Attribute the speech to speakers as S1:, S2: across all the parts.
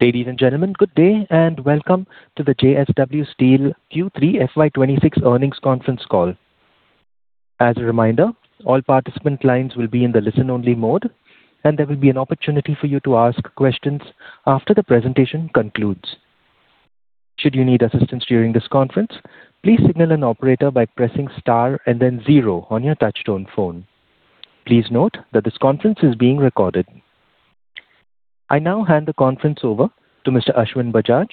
S1: Ladies and gentlemen, good day and welcome to the JSW Steel Q3 FY 2026 Earnings Conference Call. As a reminder, all participant lines will be in the listen-only mode, and there will be an opportunity for you to ask questions after the presentation concludes. Should you need assistance during this conference, please signal an operator by pressing star and then zero on your touch-tone phone. Please note that this conference is being recorded. I now hand the conference over to Mr. Ashwin Bajaj,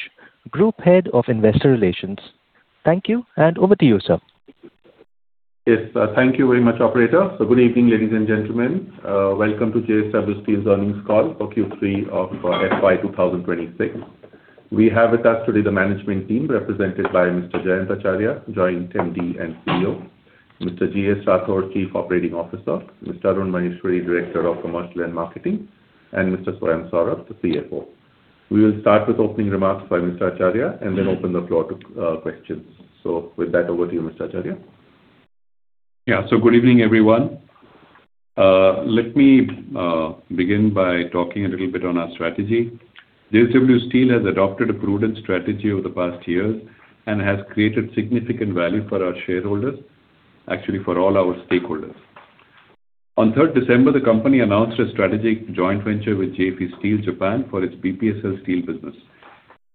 S1: Group Head of Investor Relations. Thank you, and over to you, sir.
S2: Yes, thank you very much, Operator. So good evening, ladies and gentlemen. Welcome to JSW Steel's earnings call for Q3 of FY 2026. We have with us today the management team represented by Mr. Jayant Acharya, Joint MD and CEO, Mr GS Rathore, Chief Operating Officer, Mr. Arun Maheshwari, Director of Commercial and Marketing, and Mr. Swayam Saurabh, the CFO. We will start with opening remarks by Mr. Acharya and then open the floor to questions. So with that, over to you, Mr. Acharya.
S3: Yeah, so good evening, everyone. Let me begin by talking a little bit on our strategy. JSW Steel has adopted a prudent strategy over the past years and has created significant value for our shareholders, actually for all our stakeholders. On 3rd December, the company announced a strategic joint venture with JFE Steel Japan for its BPSL steel business.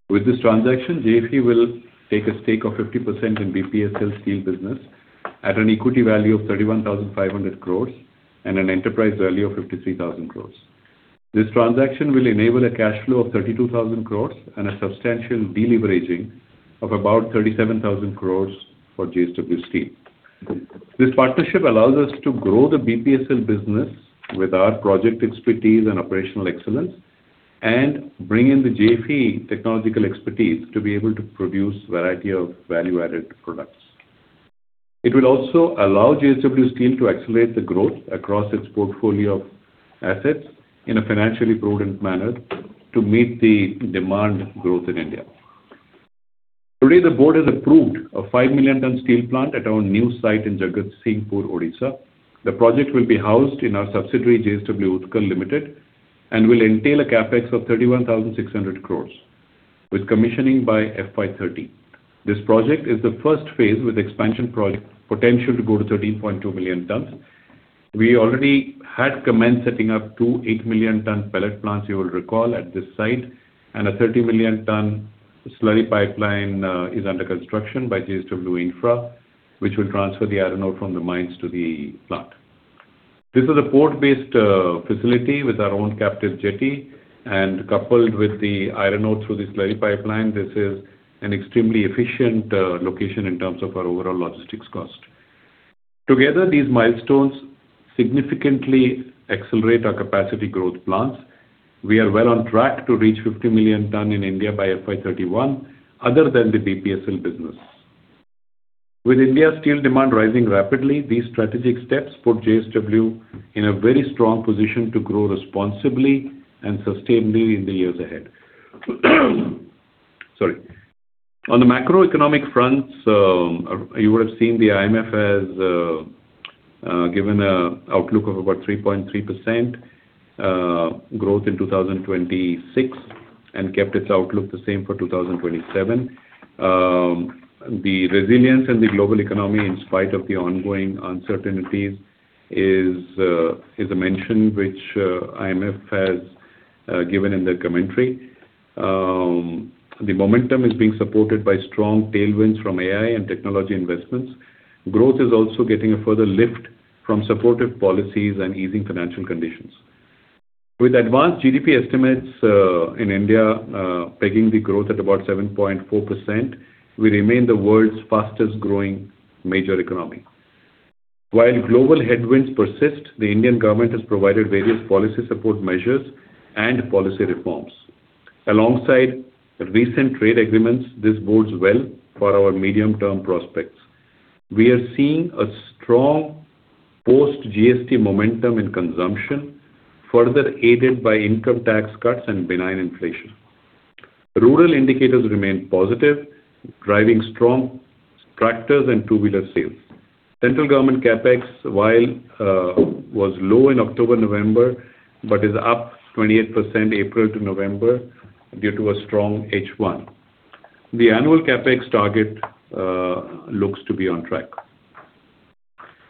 S3: With this transaction, JFE will take a stake of 50% in BPSL steel business at an equity value of 31,500 crore and an enterprise value of 53,000 crore. This transaction will enable a cash flow of 32,000 crore and a substantial deleveraging of about 37,000 crore for JSW Steel. This partnership allows us to grow the BPSL business with our project expertise and operational excellence and bring in the JFE technological expertise to be able to produce a variety of value-added products. It will also allow JSW Steel to accelerate the growth across its portfolio of assets in a financially prudent manner to meet the demand growth in India. Today, the board has approved a 5-million-ton steel plant at our new site in Jagatsinghpur, Odisha. The project will be housed in our subsidiary, JSW Utkal Limited, and will entail a CapEx of 31,600 crore with commissioning by FY 2030. This project is the first phase with expansion potential to go to 13.2 million tons. We already had commenced setting up two 8-million-ton pellet plants, you will recall, at this site, and a 30-million-ton slurry pipeline is under construction by JSW Infra, which will transfer the iron ore from the mines to the plant. This is a port-based facility with our own captive jetty, and coupled with the iron ore through the slurry pipeline, this is an extremely efficient location in terms of our overall logistics cost. Together, these milestones significantly accelerate our capacity growth plans. We are well on track to reach 50 million tons in India by FY 2031, other than the BPSL business. With India's steel demand rising rapidly, these strategic steps put JSW in a very strong position to grow responsibly and sustainably in the years ahead. Sorry. On the macroeconomic fronts, you would have seen the IMF has given an outlook of about 3.3% growth in 2026 and kept its outlook the same for 2027. The resilience in the global economy, in spite of the ongoing uncertainties, is a mention which IMF has given in their commentary. The momentum is being supported by strong tailwinds from AI and technology investments. Growth is also getting a further lift from supportive policies and easing financial conditions. With advanced GDP estimates in India pegging the growth at about 7.4%, we remain the world's fastest-growing major economy. While global headwinds persist, the Indian government has provided various policy support measures and policy reforms. Alongside recent trade agreements, this bodes well for our medium-term prospects. We are seeing a strong post-GST momentum in consumption, further aided by income tax cuts and benign inflation. Rural indicators remain positive, driving strong tractors and two-wheeler sales. Central government CapEx, while it was low in October-November, is up 28% from April to November due to a strong H1. The annual CapEx target looks to be on track.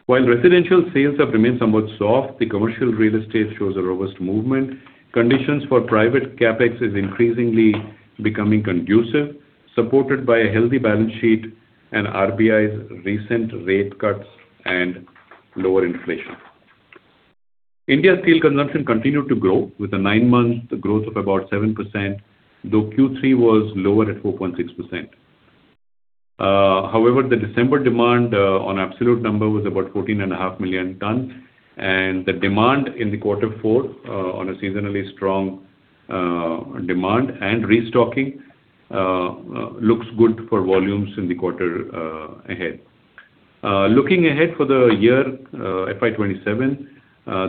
S3: While residential sales have remained somewhat soft, the commercial real estate shows a robust movement. Conditions for private capex are increasingly becoming conducive, supported by a healthy balance sheet and RBI's recent rate cuts and lower inflation. India's steel consumption continued to grow, with a 9-month growth of about 7%, though Q3 was lower at 4.6%. However, the December demand on absolute number was about 14.5 million tons, and the demand in the quarter four, on a seasonally strong demand and restocking, looks good for volumes in the quarter ahead. Looking ahead for the year FY 2027,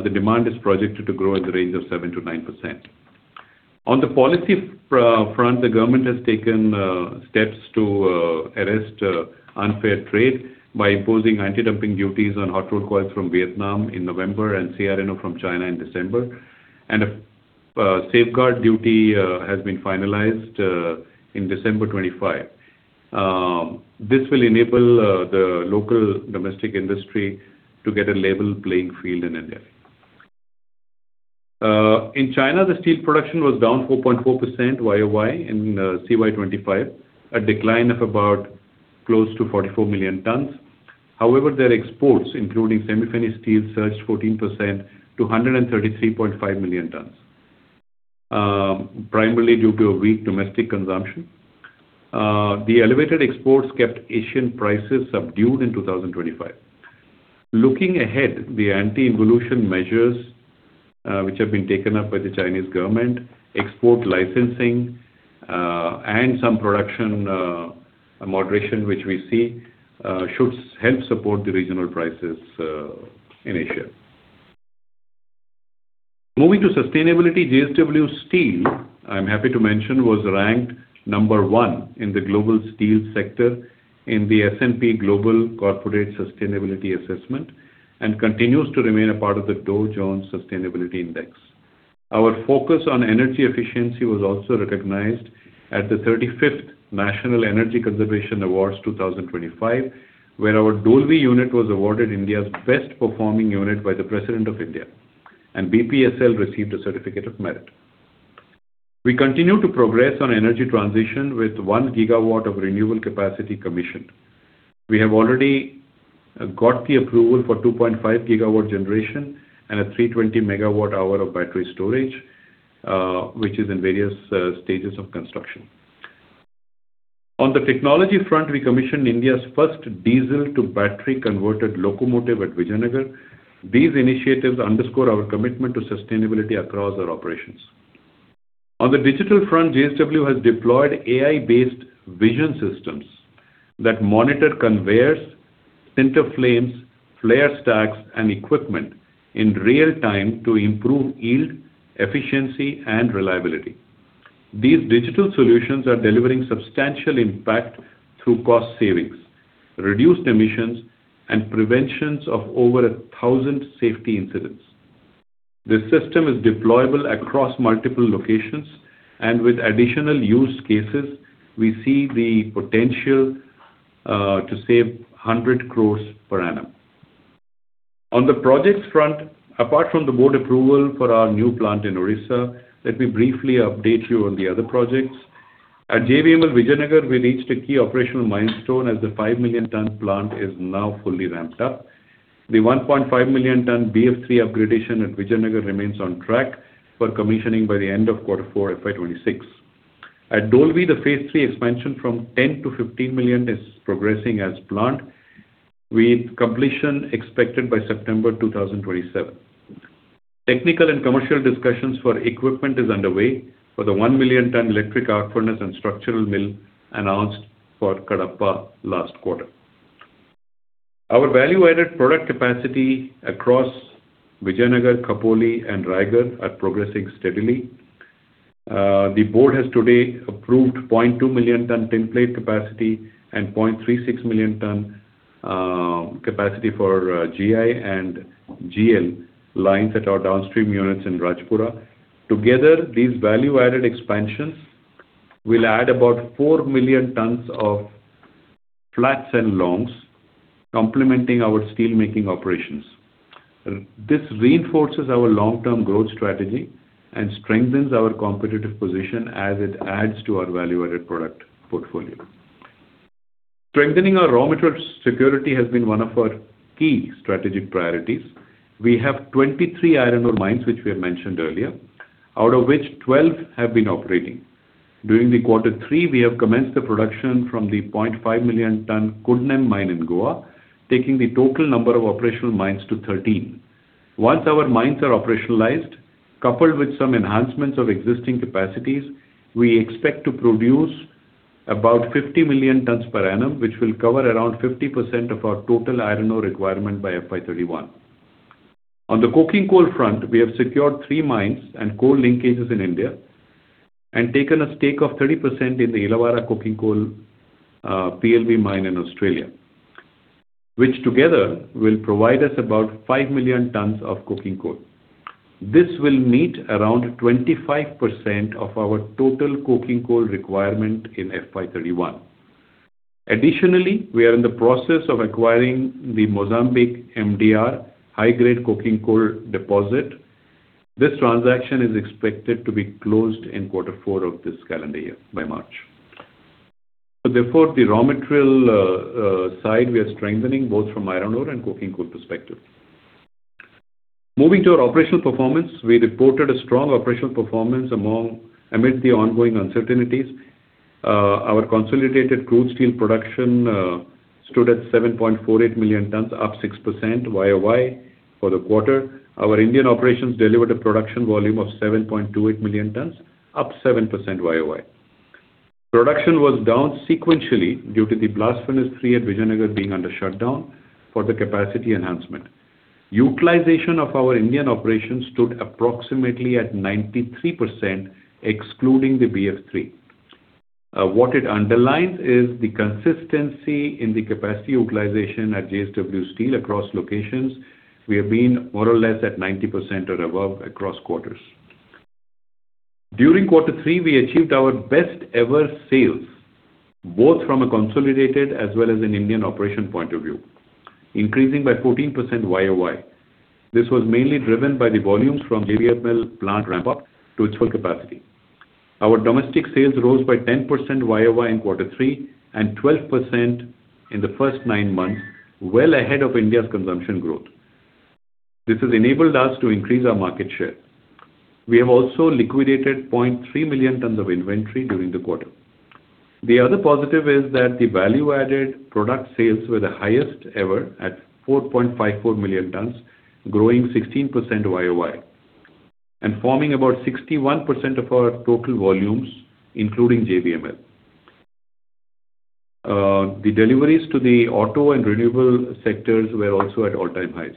S3: the demand is projected to grow in the range of 7%-9%. On the policy front, the government has taken steps to arrest unfair trade by imposing anti-dumping duties on hot-rolled coils from Vietnam in November and CRNO from China in December, and a safeguard duty has been finalized in December 2025. This will enable the local domestic industry to get a level playing field in India. In China, the steel production was down 4.4% Y-O-Y in CY2025, a decline of about close to 44 million tons. However, their exports, including semi-finished steel, surged 14% to 133.5 million tons, primarily due to a weak domestic consumption. The elevated exports kept Asian prices subdued in 2025. Looking ahead, the anti-involution measures which have been taken up by the Chinese government, export licensing, and some production moderation which we see should help support the regional prices in Asia. Moving to sustainability, JSW Steel, I'm happy to mention, was ranked number one in the global steel sector in the S&P Global Corporate Sustainability Assessment and continues to remain a part of the Dow Jones Sustainability Index. Our focus on energy efficiency was also recognized at the 35th National Energy Conservation Awards 2025, where our Dolvi unit was awarded India's best-performing unit by the President of India, and BPSL received a certificate of merit. We continue to progress on energy transition with 1 GW of renewable capacity commissioned. We have already got the approval for 2.5 GW generation and a 320 MWh of battery storage, which is in various stages of construction. On the technology front, we commissioned India's first diesel-to-battery converted locomotive at Vijayanagar. These initiatives underscore our commitment to sustainability across our operations. On the digital front, JSW has deployed AI-based vision systems that monitor conveyors, sinter flames, flare stacks, and equipment in real time to improve yield, efficiency, and reliability. These digital solutions are delivering substantial impact through cost savings, reduced emissions, and preventions of over 1,000 safety incidents. The system is deployable across multiple locations, and with additional use cases, we see the potential to save 100 crore per annum. On the projects front, apart from the board approval for our new plant in Odisha, let me briefly update you on the other projects. At JVML Vijayanagar, we reached a key operational milestone as the 5 million ton plant is now fully ramped up. The 1.5 million ton BF3 upgradation at Vijayanagar remains on track for commissioning by the end of quarter four FY 2026. At Dolvi, the phase three expansion from 10-15 million is progressing as planned, with completion expected by September 2027. Technical and commercial discussions for equipment are underway for the 1 million ton electric arc furnace and structural mill announced for Kadapa last quarter. Our value-added product capacity across Vijayanagar, Khopoli, and Raigarh is progressing steadily. The Board has today approved 0.2 million ton tinplate capacity and 0.36 million ton capacity for GI and GL lines at our downstream units in Rajpura. Together, these value-added expansions will add about 4 million tons of flats and longs, complementing our steelmaking operations. This reinforces our long-term growth strategy and strengthens our competitive position as it adds to our value-added product portfolio. Strengthening our raw material security has been one of our key strategic priorities. We have 23 iron ore mines, which we have mentioned earlier, out of which 12 have been operating. During the quarter three, we have commenced the production from the 0.5 million ton Cudnem mine in Goa, taking the total number of operational mines to 13. Once our mines are operationalized, coupled with some enhancements of existing capacities, we expect to produce about 50 million tons per annum, which will cover around 50% of our total iron ore requirement by FY 2031. On the coking coal front, we have secured three mines and coal linkages in India and taken a stake of 30% in the Illawarra Coking Coal PLV mine in Australia, which together will provide us about 5 million tons of coking coal. This will meet around 25% of our total coking coal requirement in FY 2031. Additionally, we are in the process of acquiring the Mozambique MdR high-grade coking coal deposit. This transaction is expected to be closed in quarter four of this calendar year by March. Therefore, the raw material side, we are strengthening both from iron ore and coking coal perspective. Moving to our operational performance, we reported a strong operational performance amid the ongoing uncertainties. Our consolidated crude steel production stood at 7.48 million tons, up 6% Y-O-Y for the quarter. Our Indian operations delivered a production volume of 7.28 million tons, up 7% Y-O-Y. Production was down sequentially due to the blast furnace three at Vijayanagar being under shutdown for the capacity enhancement. Utilization of our Indian operations stood approximately at 93%, excluding the BF3. What it underlines is the consistency in the capacity utilization at JSW Steel across locations. We have been more or less at 90% or above across quarters. During quarter three, we achieved our best-ever sales, both from a consolidated as well as an Indian operation point of view, increasing by 14% Y-O-Y. This was mainly driven by the volumes from JVML plant ramp-up to its full capacity. Our domestic sales rose by 10% Y-O-Y in quarter three and 12% in the first nine months, well ahead of India's consumption growth. This has enabled us to increase our market share. We have also liquidated 0.3 million tons of inventory during the quarter. The other positive is that the value-added product sales were the highest ever at 4.54 million tons, growing 16% Y-O-Y and forming about 61% of our total volumes, including JVML. The deliveries to the auto and renewable sectors were also at all-time highs.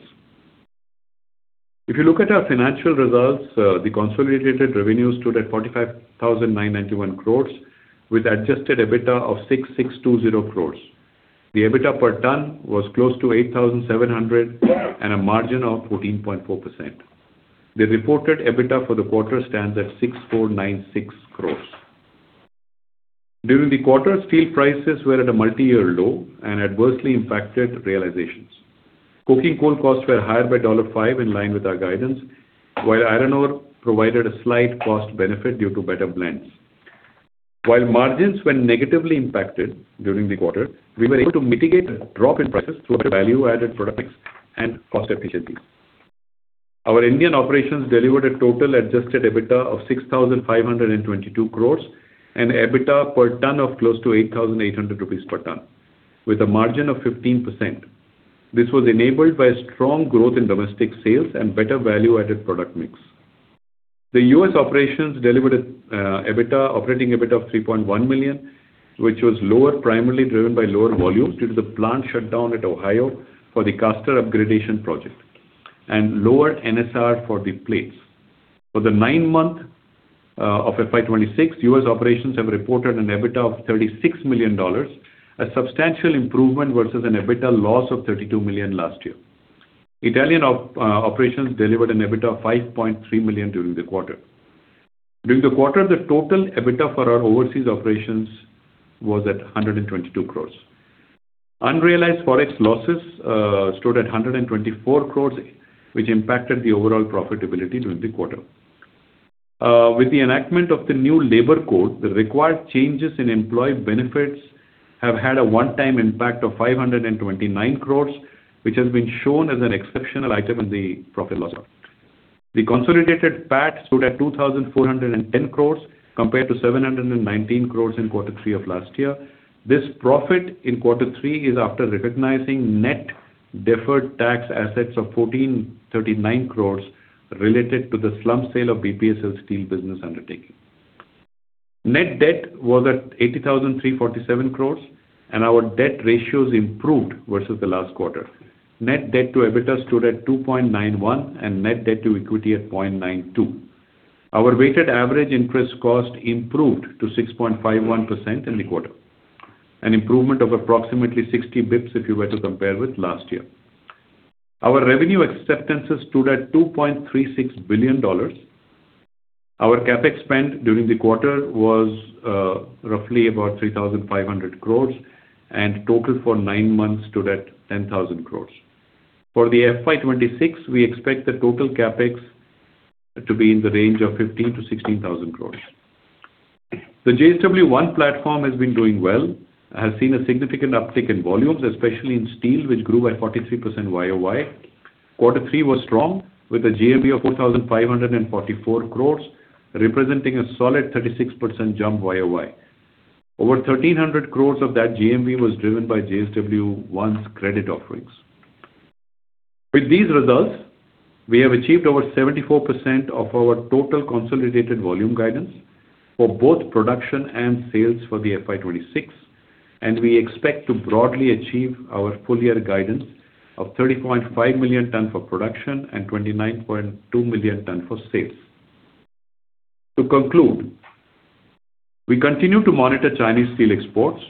S3: If you look at our financial results, the consolidated revenue stood at 45,991 crores, with adjusted EBITDA of 6,620 crores. The EBITDA per ton was close to 8,700 and a margin of 14.4%. The reported EBITDA for the quarter stands at 6,496 crores. During the quarter, steel prices were at a multi-year low and adversely impacted realizations. Coking coal costs were higher by $1.05, in line with our guidance, while iron ore provided a slight cost benefit due to better blends. While margins were negatively impacted during the quarter, we were able to mitigate a drop in prices through value-added products and cost efficiencies. Our Indian operations delivered a total adjusted EBITDA of 6,522 crores and EBITDA per ton of close to 8,800 rupees per ton, with a margin of 15%. This was enabled by strong growth in domestic sales and better value-added product mix. The U.S. operations delivered an operating EBITDA of $3.1 million, which was lower, primarily driven by lower volumes due to the plant shutdown at Ohio for the caster upgradation project and lower NSR for the plates. For the 9 months of FY 2026, US operations have reported an EBITDA of $36 million, a substantial improvement versus an EBITDA loss of $32 million last year. Italian operations delivered an EBITDA of 5.3 million during the quarter. During the quarter, the total EBITDA for our overseas operations was at 122 crores. Unrealized forex losses stood at 124 crores, which impacted the overall profitability during the quarter. With the enactment of the new labor code, the required changes in employee benefits have had a one-time impact of 529 crores, which has been shown as an exceptional item in the profit and loss account. The consolidated PAT stood at 2,410 crores compared to 719 crores in quarter three of last year. This profit in quarter three is after recognizing net deferred tax assets of 1,439 crores related to the slump sale of BPSL Steel business undertaking. Net debt was at 80,347 crore, and our debt ratios improved versus the last quarter. Net debt to EBITDA stood at 2.91 and net debt to equity at 0.92. Our weighted average interest cost improved to 6.51% in the quarter, an improvement of approximately 60 basis points if you were to compare with last year. Our revenue acceptances stood at $2.36 billion. Our CapEx spend during the quarter was roughly about 3,500 crore, and total for nine months stood at 10,000 crore. For the FY 2026, we expect the total CapEx to be in the range of 15,000 crore-16,000 crore. The JSW One platform has been doing well. It has seen a significant uptick in volumes, especially in steel, which grew by 43% Y-O-Y. Quarter three was strong, with a GMV of 4,544 crore, representing a solid 36% jump Y-O-Y. Over 1,300 crores of that GMV was driven by JSW One's credit offerings. With these results, we have achieved over 74% of our total consolidated volume guidance for both production and sales for the FY 2026, and we expect to broadly achieve our full-year guidance of 30.5 million tons for production and 29.2 million tons for sales. To conclude, we continue to monitor Chinese steel exports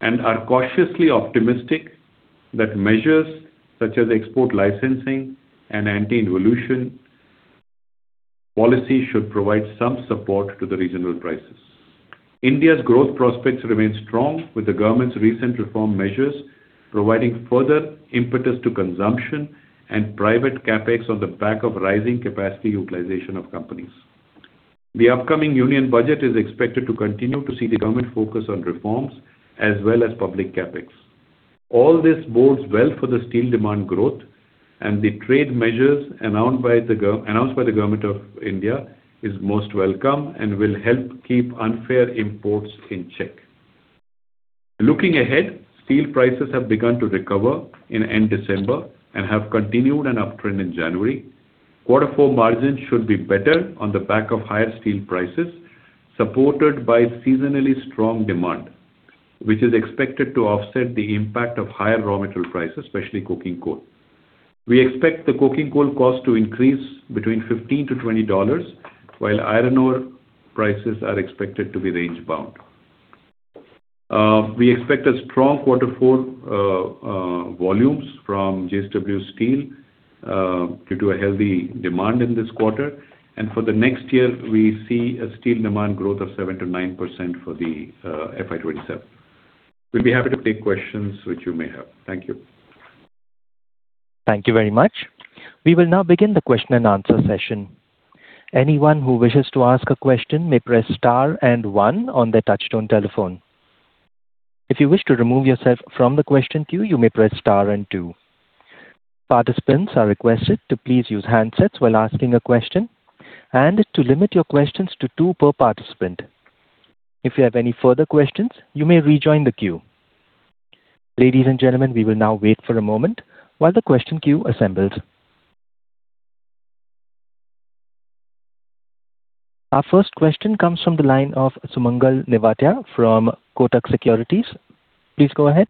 S3: and are cautiously optimistic that measures such as export licensing and anti-involution policies should provide some support to the regional prices. India's growth prospects remain strong, with the government's recent reform measures providing further impetus to consumption and private capex on the back of rising capacity utilization of companies. The upcoming union budget is expected to continue to see the government focus on reforms as well as public capex. All this bodes well for the steel demand growth, and the trade measures announced by the government of India are most welcome and will help keep unfair imports in check. Looking ahead, steel prices have begun to recover in end December and have continued an uptrend in January. Quarter four margins should be better on the back of higher steel prices supported by seasonally strong demand, which is expected to offset the impact of higher raw material prices, especially coking coal. We expect the coking coal cost to increase between $15-$20, while iron ore prices are expected to be range-bound. We expect a strong quarter four volumes from JSW Steel due to a healthy demand in this quarter. And for the next year, we see a steel demand growth of 7%-9% for the FY 2027. We'd be happy to take questions which you may have. Thank you.
S1: Thank you very much. We will now begin the question and answer session. Anyone who wishes to ask a question may press star and one on the touch-tone telephone. If you wish to remove yourself from the question queue, you may press star and two. Participants are requested to please use handsets while asking a question and to limit your questions to two per participant. If you have any further questions, you may rejoin the queue. Ladies and gentlemen, we will now wait for a moment while the question queue assembles. Our first question comes from the line of Sumangal Nevatia from Kotak Securities. Please go ahead.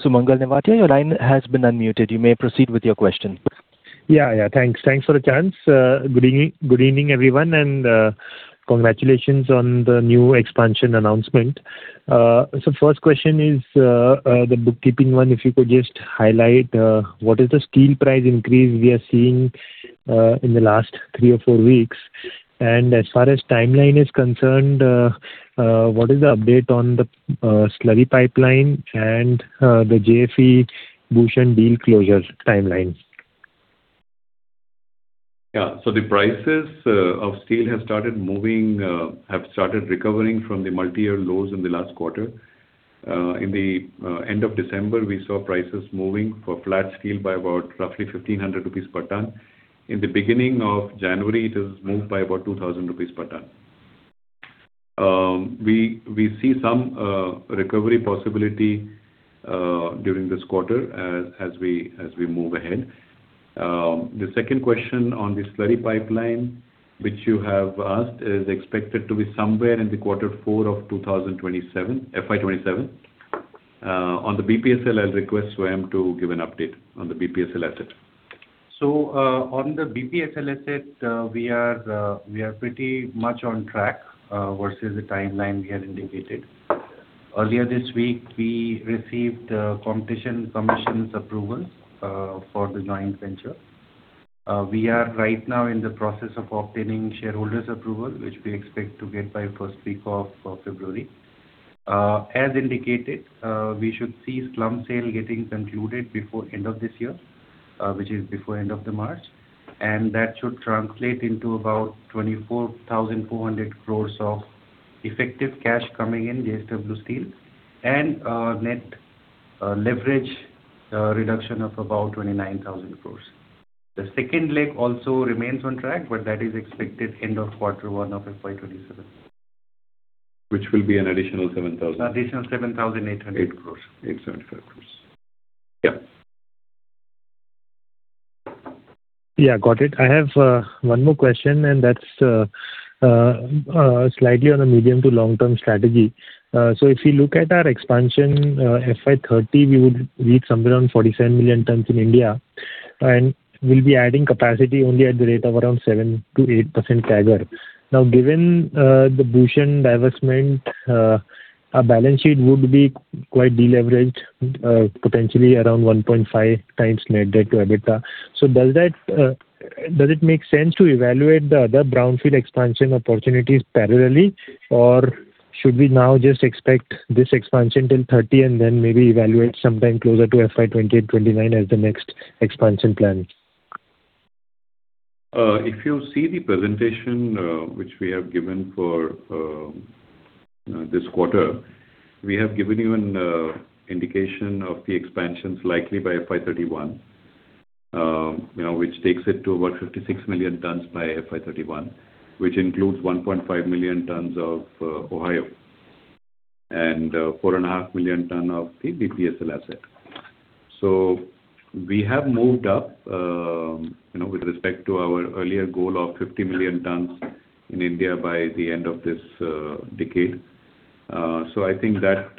S1: Sumangal Nevatia, your line has been unmuted. You may proceed with your question.
S4: Yeah, yeah. Thanks. Thanks for the chance. Good evening, everyone, and congratulations on the new expansion announcement. So first question is the bookkeeping one. If you could just highlight what is the steel price increase we are seeing in the last three or four weeks? And as far as timeline is concerned, what is the update on the slurry pipeline and the JFE Bhushan deal closure timeline?
S3: Yeah. So the prices of steel have started moving, have started recovering from the multi-year lows in the last quarter. In the end of December, we saw prices moving for flat steel by about roughly Rs 1,500 per ton. In the beginning of January, it has moved by about Rs 2,000 per ton. We see some recovery possibility during this quarter as we move ahead. The second question on the slurry pipeline, which you have asked, is expected to be somewhere in the quarter four of 2027, FY 2027. On the BPSL, I'll request Swayam to give an update on the BPSL asset.
S5: So on the BPSL asset, we are pretty much on track versus the timeline we had indicated. Earlier this week, we received Competition Commission's approvals for the joint venture. We are right now in the process of obtaining shareholders' approval, which we expect to get by first week of February. As indicated, we should see slump sale getting concluded before end of this year, which is before end of March, and that should translate into about 24,400 crore of effective cash coming in JSW Steel and net leverage reduction of about 29,000 crore. The second leg also remains on track, but that is expected end of quarter one of FY 2027.
S3: Which will be an additional 7,000.
S5: Additional 7,800. 875 crore. Yeah.
S4: Yeah, got it. I have one more question, and that's slightly on a medium to long-term strategy. So if you look at our expansion FY 2030, we would reach somewhere around 47 million tons in India, and we'll be adding capacity only at the rate of around 7%-8% CAGR. Now, given the Bhushan divestment, our balance sheet would be quite deleveraged, potentially around 1.5x net debt to EBITDA. So does it make sense to evaluate the other brownfield expansion opportunities parallelly, or should we now just expect this expansion till 2030 and then maybe evaluate sometime closer to FY 2028-2029 as the next expansion plan?
S3: If you see the presentation which we have given for this quarter, we have given you an indication of the expansions likely by FY 2031, which takes it to about 56 million tons by FY 2031, which includes 1.5 million tons of Ohio and 4.5 million tons of the BPSL asset. So we have moved up with respect to our earlier goal of 50 million tons in India by the end of this decade. So I think that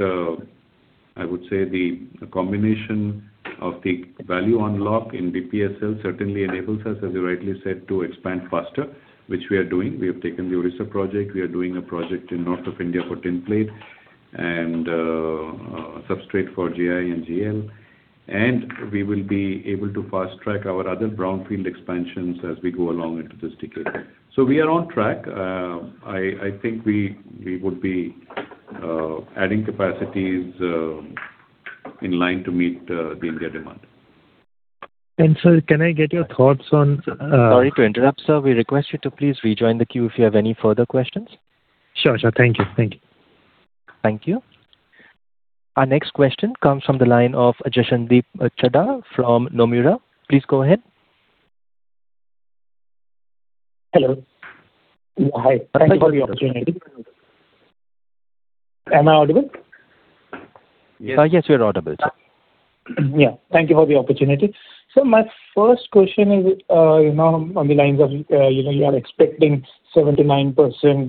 S3: I would say the combination of the value unlock in BPSL certainly enables us, as you rightly said, to expand faster, which we are doing. We have taken the Odisha project. We are doing a project in north of India for tin plate and substrate for GI and GL, and we will be able to fast-track our other brownfield expansions as we go along into this decade. So we are on track. I think we would be adding capacities in line to meet the India demand.
S4: And sir, can I get your thoughts on?
S2: Sorry to interrupt, sir. We request you to please rejoin the queue if you have any further questions.
S6: Sure, sure. Thank you.
S2: Thank you.
S1: Thank you. Our next question comes from the line of Jashandeep Chadha from Nomura. Please go ahead.
S7: Hello. Hi. Thank you for the opportunity. Am I audible?
S2: Yes. Yes, you're audible, sir.
S7: Yeah. Thank you for the opportunity. So my first question is on the lines of you are expecting 79%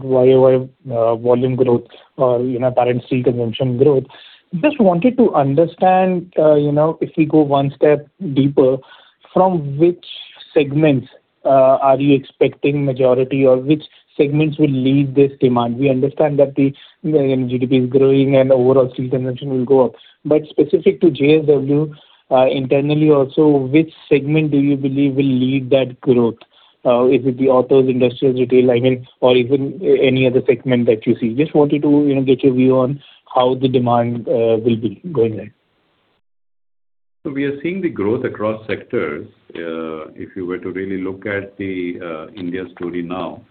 S7: Y-O-Y volume growth or apparent steel consumption growth. Just wanted to understand if we go one step deeper, from which segments are you expecting majority or which segments will lead this demand? We understand that the GDP is growing and overall steel consumption will go up. But specific to JSW internally also, which segment do you believe will lead that growth? Is it the autos, industrials, retail, I mean, or even any other segment that you see? Just wanted to get your view on how the demand will be going ahead.
S3: So we are seeing the growth across sectors. If you were to really look at the India story now,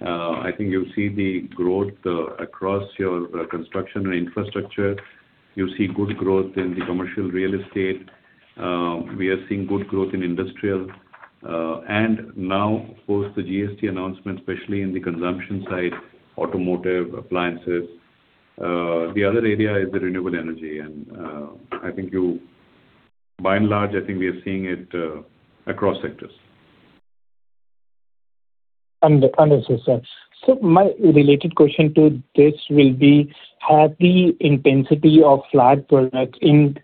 S3: I think you'll see the growth across your construction and infrastructure. You see good growth in the commercial real estate. We are seeing good growth in industrial. And now, post the GST announcement, especially in the consumption side, automotive, appliances. The other area is the renewable energy. And I think you, by and large, I think we are seeing it across sectors.
S7: Understandable, sir. So my related question to this will be, has the intensity of flat products in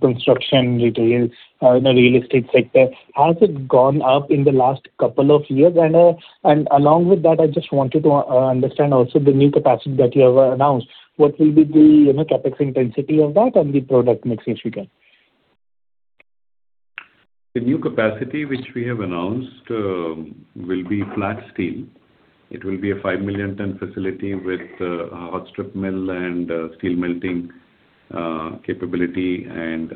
S7: construction, retail, in the real estate sector, has it gone up in the last couple of years? And along with that, I just wanted to understand also the new capacity that you have announced. What will be the CapEx intensity of that and the product mix if you can?
S3: The new capacity which we have announced will be flat steel. It will be a 5 million ton facility with hot strip mill and steel melting capability and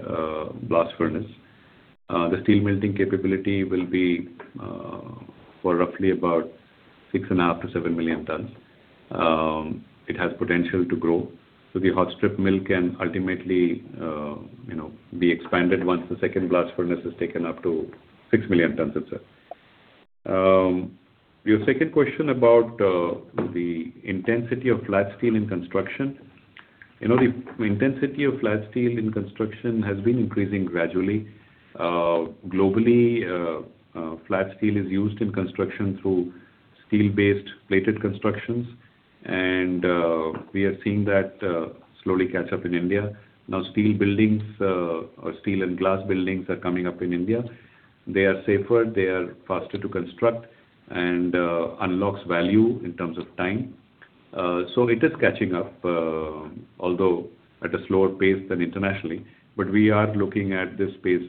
S3: blast furnace. The steel melting capability will be for roughly about 6.5-7 million tons. It has potential to grow. So the hot strip mill can ultimately be expanded once the second blast furnace is taken up to 6 million tons, sir. Your second question about the intensity of flat steel in construction. The intensity of flat steel in construction has been increasing gradually. Globally, flat steel is used in construction through steel-based plated constructions, and we are seeing that slowly catch up in India. Now, steel buildings or steel and glass buildings are coming up in India. They are safer. They are faster to construct and unlock value in terms of time. So it is catching up, although at a slower pace than internationally. But we are looking at this pace,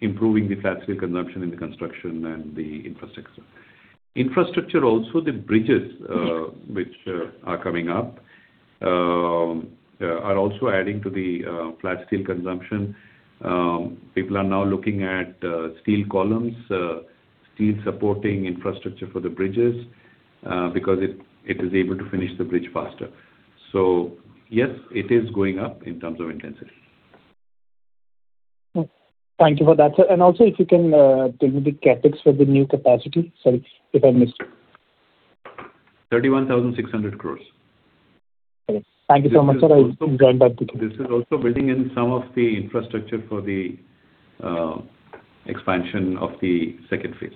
S3: improving the flat steel consumption in the construction and the infrastructure. Infrastructure also, the bridges which are coming up are also adding to the flat steel consumption. People are now looking at steel columns, steel supporting infrastructure for the bridges because it is able to finish the bridge faster. So yes, it is going up in terms of intensity.
S7: Thank you for that. And also, if you can tell me the CapEx for the new capacity? Sorry if I missed it.
S3: 31,600 crore.
S7: Okay. Thank you so much, sir. I'll join back to you.
S3: This is also building in some of the infrastructure for the expansion of the second phase.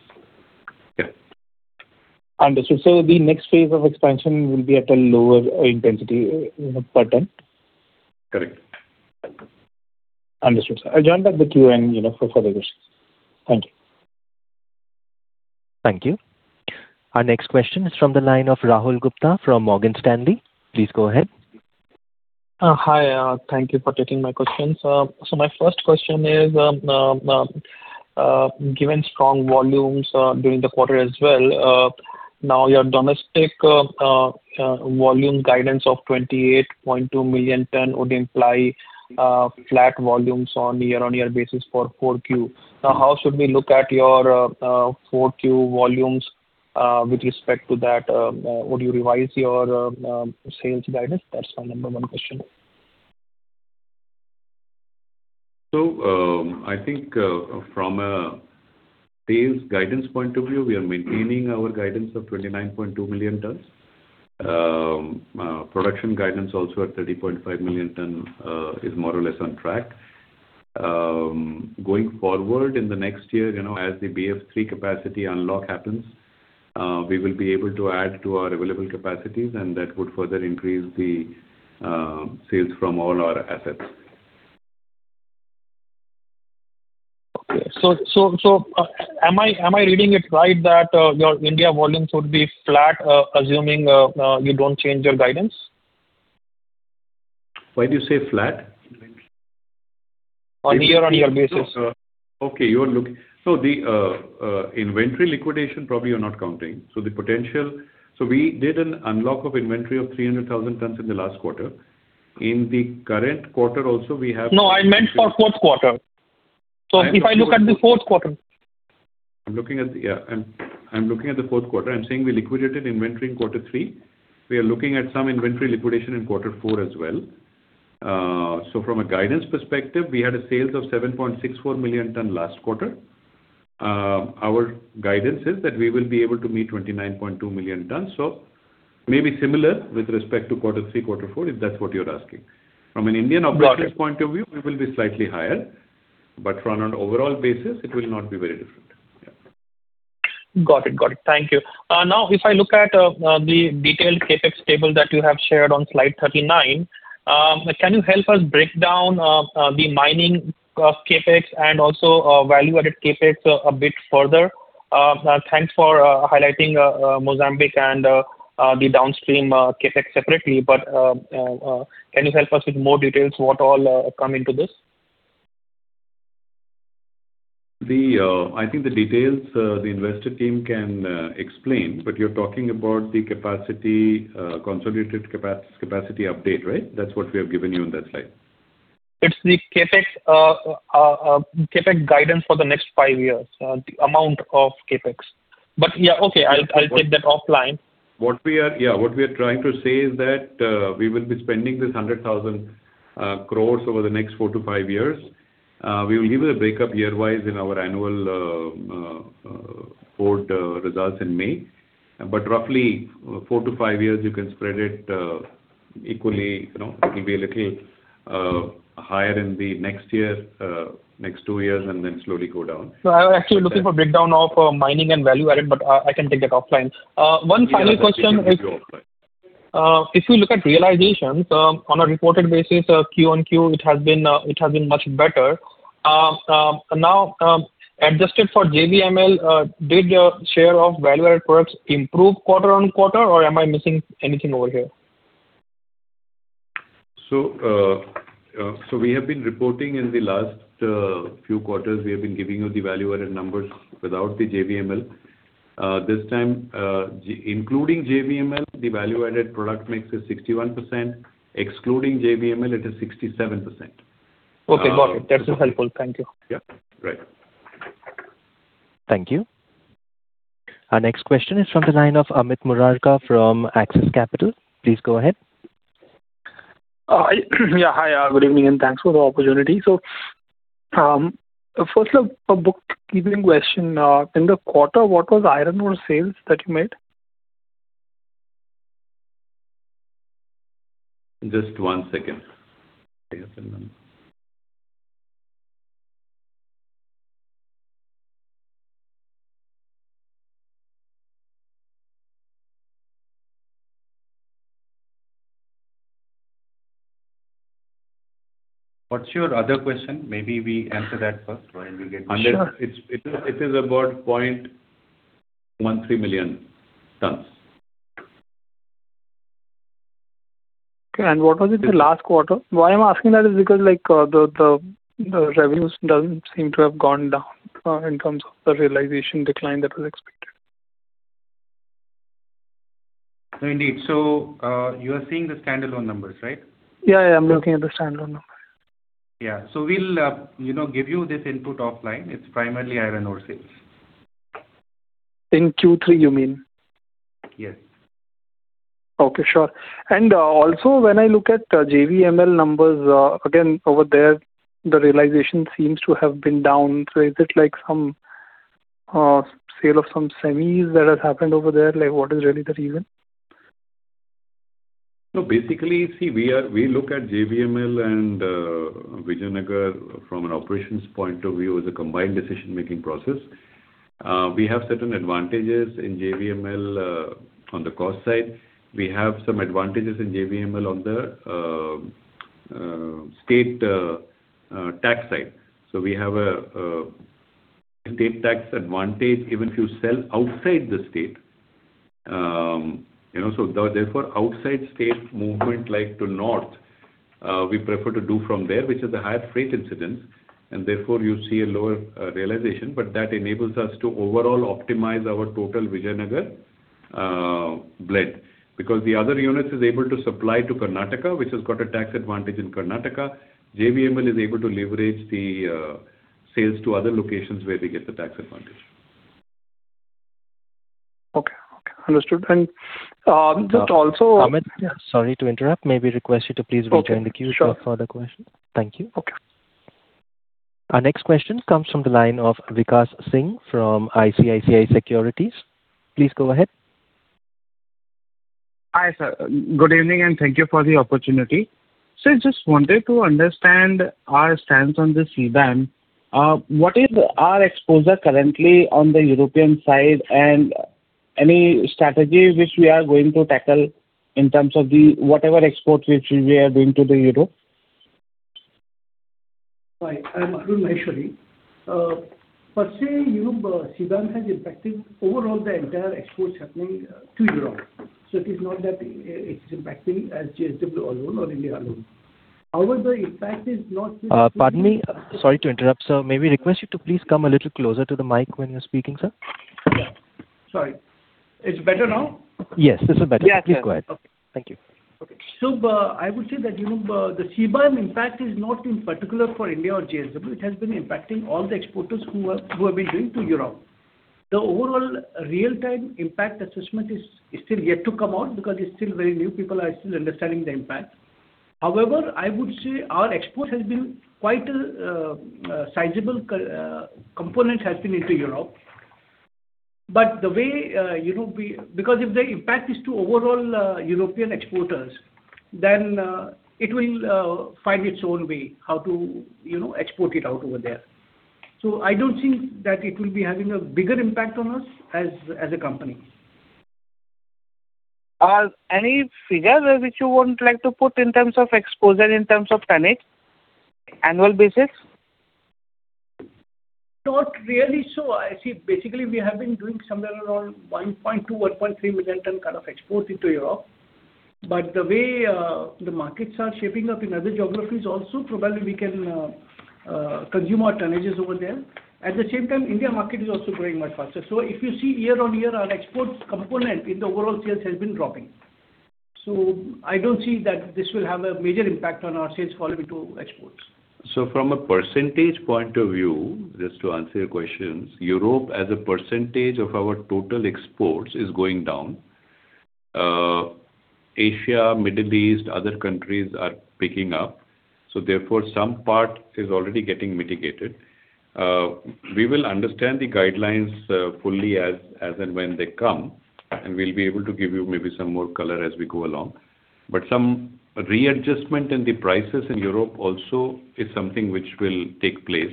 S3: Yeah.
S7: Understood. So the next phase of expansion will be at a lower intensity per ton?
S3: Correct.
S7: Understood, sir. I'll join back the queue and for further questions. Thank you.
S1: Thank you. Our next question is from the line of Rahul Gupta from Morgan Stanley. Please go ahead.
S8: Hi. Thank you for taking my questions. So my first question is, given strong volumes during the quarter as well, now your domestic volume guidance of 28.2 million tons would imply flat volumes on year-over-year basis for Q4. Now, how should we look at your Q4 volumes with respect to that? Would you revise your sales guidance? That's my number one question.
S3: So I think from a sales guidance point of view, we are maintaining our guidance of 29.2 million tons. Production guidance also at 30.5 million tons is more or less on track. Going forward in the next year, as the BF3 capacity unlock happens, we will be able to add to our available capacities, and that would further increase the sales from all our assets.
S8: Okay. So am I reading it right that your India volumes would be flat, assuming you don't change your guidance?
S3: Why do you say flat?
S8: On year-over-year basis.
S3: Okay. So the inventory liquidation, probably you're not counting. So the potential, so we did an unlock of inventory of 300,000 tons in the last quarter. In the current quarter also, we have.
S8: No, I meant for fourth quarter.
S3: So if I look at the fourth quarter. I'm looking at the, yeah, I'm looking at the fourth quarter. I'm saying we liquidated inventory in quarter three. We are looking at some inventory liquidation in quarter four as well. So from a guidance perspective, we had sales of 7.64 million tons last quarter. Our guidance is that we will be able to meet 29.2 million tons. So maybe similar with respect to quarter three, quarter four, if that's what you're asking. From an Indian operations point of view, it will be slightly higher, but from an overall basis, it will not be very different.
S8: Yeah. Got it. Got it. Thank you. Now, if I look at the detailed CapEx table that you have shared on slide 39, can you help us break down the mining CapEx and also value-added CapEx a bit further? Thanks for highlighting Mozambique and the downstream CapEx separately, but can you help us with more details? What all come into this?
S3: I think the details the investor team can explain, but you're talking about the consolidated capacity update, right? That's what we have given you on that slide.
S8: It's the CapEx guidance for the next five years, the amount of CapEx. But yeah, okay. I'll take that offline.
S3: Yeah. What we are trying to say is that we will be spending this 100,000 crore over the next 4-5 years. We will give you the breakup year-wise in our annual board results in May. But roughly 4-5 years, you can spread it equally. It will be a little higher in the next year, next 2 years, and then slowly go down.
S8: So I was actually looking for breakdown of mining and value-added, but I can take that offline. One final question is: If we look at realizations, on a reported basis, Q on Q, it has been much better. Now, adjusted for JVML, did the share of value-added products improve quarter on quarter, or am I missing anything over here?
S3: So we have been reporting in the last few quarters. We have been giving you the value-added numbers without the JVML. This time, including JVML, the value-added product mix is 61%. Excluding JVML, it is 67%.
S8: Okay. Got it. That's helpful. Thank you.
S3: Yeah. Right.
S1: Thank you. Our next question is from the line of Amit Murarka from Axis Capital. Please go ahead.
S9: Yeah. Hi. Good evening and thanks for the opportunity. So first, a bookkeeping question. In the quarter, what was iron ore sales that you made?
S3: Just one second. What's your other question? Maybe we answer that first while we get the. It is about 0.13 million tons. Okay.
S9: And what was it the last quarter? Why I'm asking that is because the revenues don't seem to have gone down in terms of the realization decline that was expected.
S3: Indeed. So you are seeing the standalone numbers, right?
S9: Yeah. I'm looking at the standalone numbers.
S3: Yeah. So we'll give you this input offline. It's primarily iron ore sales.
S9: In Q3, you mean?
S3: Yes.
S9: Okay. Sure. And also, when I look at JVML numbers, again, over there, the realization seems to have been down. So is it some sale of some semis that has happened over there? What is really the reason?
S3: No, basically, see, we look at JVML and Vijayanagar from an operations point of view as a combined decision-making process. We have certain advantages in JVML on the cost side. We have some advantages in JVML on the state tax side. So we have a state tax advantage even if you sell outside the state. So therefore, outside state movement like to north, we prefer to do from there, which is the higher freight incidence. And therefore, you see a lower realization, but that enables us to overall optimize our total Vijayanagar blend because the other unit is able to supply to Karnataka, which has got a tax advantage in Karnataka. JVML is able to leverage the sales to other locations where we get the tax advantage.
S9: Okay. Okay. Understood. And just also.
S2: Amit, sorry to interrupt. May we request you to please rejoin the queue for further questions? Thank you.
S1: Our next question comes from the line of Vikas Singh from ICICI Securities. Please go ahead.
S10: Hi, sir. Good evening and thank you for the opportunity. So I just wanted to understand our stance on the CBAM. What is our exposure currently on the European side and any strategy which we are going to tackle in terms of whatever export which we are doing to Europe?
S11: Hi. I'm Arun Maheshwari. Firstly, CBAM has impacted overall the entire exports happening to Europe. So it is not that it is impacting as JSW alone or India alone. However, the impact is not.
S3: Pardon me? Sorry to interrupt, sir. May we request you to please come a little closer to the mic when you're speaking, sir?
S11: Yeah. Sorry. It's better now?
S3: Yes. This is better. Please go ahead.
S11: Okay. Thank you. Okay. So I would say that the CBAM impact is not in particular for India or JSW. It has been impacting all the exporters who have been doing to Europe. The overall real-time impact assessment is still yet to come out because it's still very new. People are still understanding the impact. However, I would say our export has been quite a sizable component has been into Europe. But the way, because if the impact is to overall European exporters, then it will find its own way how to export it out over there. So I don't think that it will be having a bigger impact on us as a company.
S10: Any figures which you would like to put in terms of exposure in terms of annual basis?
S11: Not really. So I see basically we have been doing somewhere around 1.2-1.3 million tons kind of export into Europe. But the way the markets are shaping up in other geographies also, probably we can consume our tonnages over there. At the same time, India market is also growing much faster. So if you see year-on-year, our export component in the overall sales has been dropping. So I don't see that this will have a major impact on our sales following to exports.
S3: So from a percentage point of view, just to answer your questions, Europe as a percentage of our total exports is going down. Asia, Middle East, other countries are picking up. So therefore, some part is already getting mitigated. We will understand the guidelines fully as and when they come, and we'll be able to give you maybe some more color as we go along. But some readjustment in the prices in Europe also is something which will take place.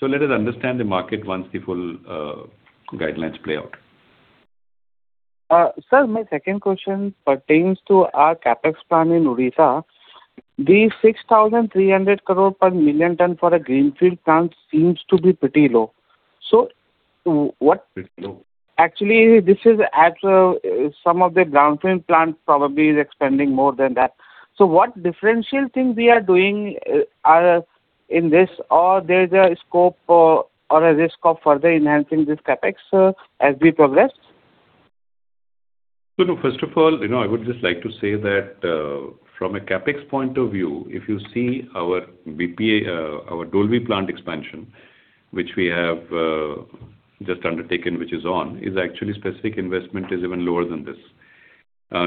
S3: So let us understand the market once the full guidelines play out.
S10: Sir, my second question pertains to our CapEx plan in Odisha. The 6,300 crore per million ton for a greenfield plant seems to be pretty low. So what. Pretty low. Actually, this is at some of the brownfield plant probably is expanding more than that. So what differential thing we are doing in this, or there's a scope or a risk of further enhancing this CapEx as we progress?
S3: So first of all, I would just like to say that from a CapEx point of view, if you see our Dolvi plant expansion, which we have just undertaken, which is on, is actually specific investment is even lower than this.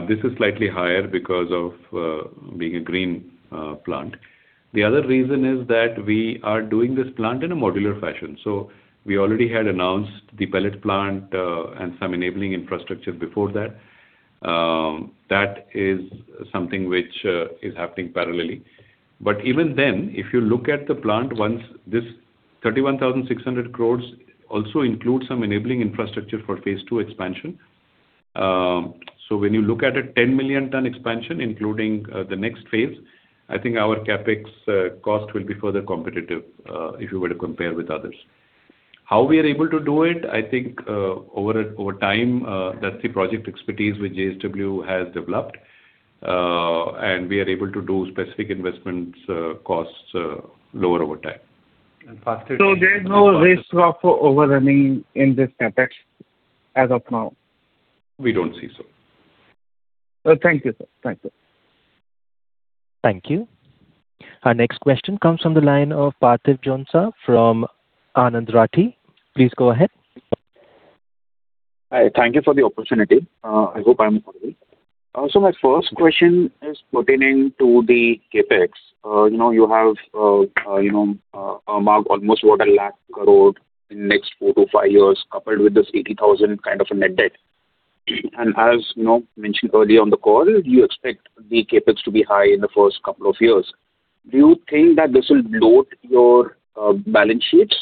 S3: This is slightly higher because of being a green plant. The other reason is that we are doing this plant in a modular fashion. So we already had announced the pellet plant and some enabling infrastructure before that. That is something which is happening parallelly. But even then, if you look at the plant, this 31,600 crore also includes some enabling infrastructure for phase two expansion. So when you look at a 10 million ton expansion, including the next phase, I think our CapEx cost will be further competitive if you were to compare with others. How we are able to do it, I think over time, that's the project expertise which JSW has developed, and we are able to do specific investment costs lower over time. And faster.
S10: So there's no risk of overrunning in this CapEx as of now?
S3: We don't see so.
S10: Thank you, sir. Thank you.
S1: Thank you. Our next question comes from the line of Parthiv Jhonsa from Anand Rathi. Please go ahead.
S12: Hi. Thank you for the opportunity. I hope I'm affordable. So my first question is pertaining to the CapEx. You have a mark almost over 100,000 crore in the next 4-5 years, coupled with this 80,000 crore kind of a net debt. As mentioned earlier on the call, you expect the CapEx to be high in the first couple of years. Do you think that this will load your balance sheets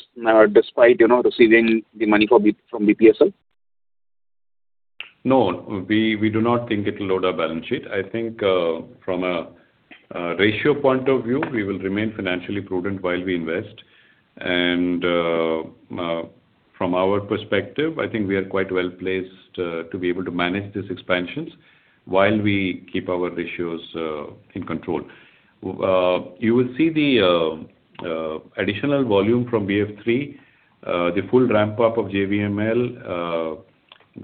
S12: despite receiving the money from BPSL?
S3: No, we do not think it will load our balance sheet. I think from a ratio point of view, we will remain financially prudent while we invest. And from our perspective, I think we are quite well placed to be able to manage these expansions while we keep our ratios in control. You will see the additional volume from BF3, the full ramp-up of JVML,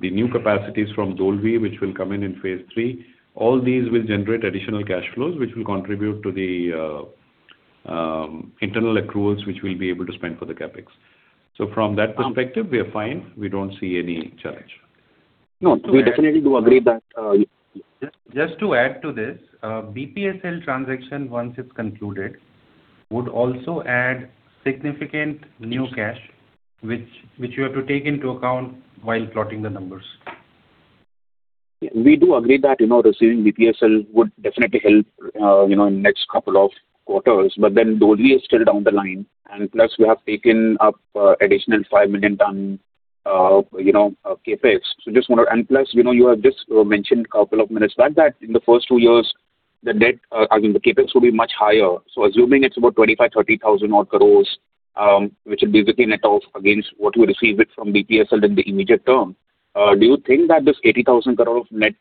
S3: the new capacities from Dolvi, which will come in in phase three. All these will generate additional cash flows, which will contribute to the internal accruals, which we'll be able to spend for the CapEx. So from that perspective, we are fine. We don't see any challenge.
S12: No, we definitely do agree that. Just to add to this, BPSL transaction, once it's concluded, would also add significant new cash, which you have to take into account while plotting the numbers. We do agree that receiving BPSL would definitely help in the next couple of quarters, but then Dolvi is still down the line. And plus, we have taken up additional 5 million ton CapEx. So just want to add, and plus, you have just mentioned a couple of minutes back that in the first two years, the CapEx would be much higher. So assuming it's about 25,000 crores-30,000 crores, which will be the net of against what we receive from BPSL in the immediate term, do you think that this 80,000 crore of net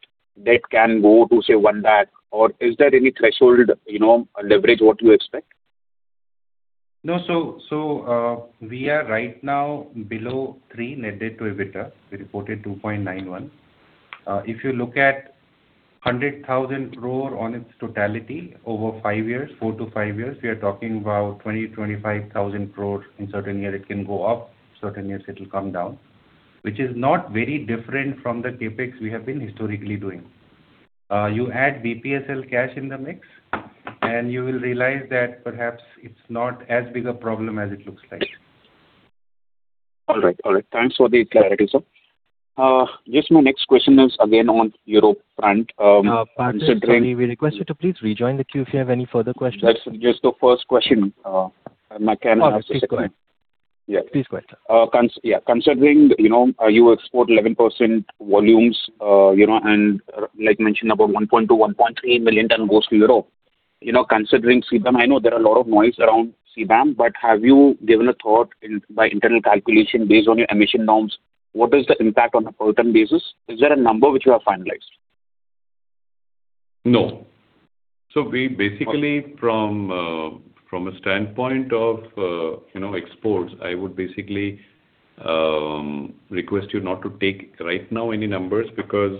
S12: debt can go to, say, one lakh crore, or is there any threshold leverage what you expect?
S5: No, so we are right now below 3 net debt to EBITDA. We reported 2.91. If you look at 100,000 crore on its totality over five years, four to five years, we are talking about 20,000-25,000 crore in certain years. It can go up. Certain years, it will come down, which is not very different from the CapEx we have been historically doing. You add BPSL cash in the mix, and you will realize that perhaps it's not as big a problem as it looks like.
S12: All right. All right. Thanks for the clarity, sir. Just my next question is again on Europe front.
S2: Parthiv, can we request you to please rejoin the queue if you have any further questions?
S12: That's just the first question.
S2: Oh, please go ahead.
S3: Yeah. Please go ahead, sir. Yeah.
S12: Considering you export 11% volumes and, like mentioned, about 1.2-1.3 million tons goes to Europe, considering CBAM, I know there are a lot of noise around CBAM, but have you given a thought by internal calculation based on your emission norms? What is the impact on a per ton basis? Is there a number which you have finalized?
S3: No. So basically, from a standpoint of exports, I would basically request you not to take right now any numbers because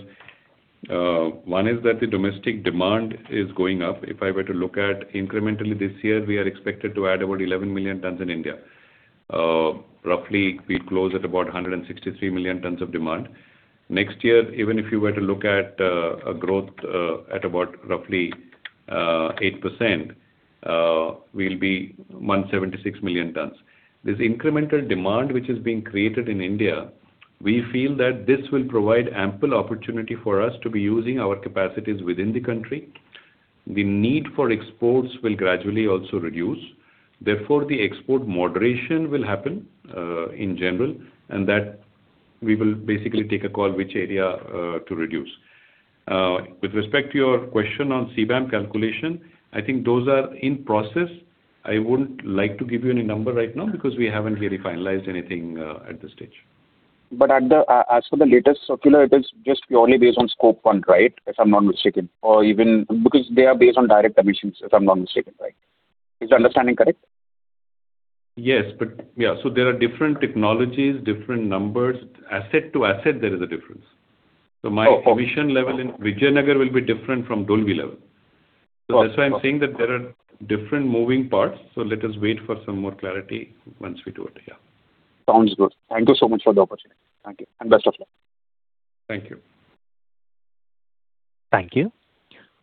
S3: one is that the domestic demand is going up. If I were to look at incrementally this year, we are expected to add about 11 million tons in India. Roughly, we close at about 163 million tons of demand. Next year, even if you were to look at a growth at about roughly 8%, we'll be 176 million tons. This incremental demand which is being created in India, we feel that this will provide ample opportunity for us to be using our capacities within the country. The need for exports will gradually also reduce. Therefore, the export moderation will happen in general, and that we will basically take a call which area to reduce. With respect to your question on CBAM calculation, I think those are in process. I wouldn't like to give you any number right now because we haven't really finalized anything at this stage.
S12: But as for the latest circular, it is just purely based on scope one, right? If I'm not mistaken, or even because they are based on direct emissions, if I'm not mistaken, right? Is the understanding correct?
S3: Yes. But yeah, so there are different technologies, different numbers. Asset to asset, there is a difference. So my emission level in Vijayanagar will be different from Dolvi level. So that's why I'm saying that there are different moving parts. So let us wait for some more clarity once we do it. Yeah.
S12: Sounds good. Thank you so much for the opportunity.
S3: Thank you. And best of luck.
S12: Thank you.
S1: Thank you.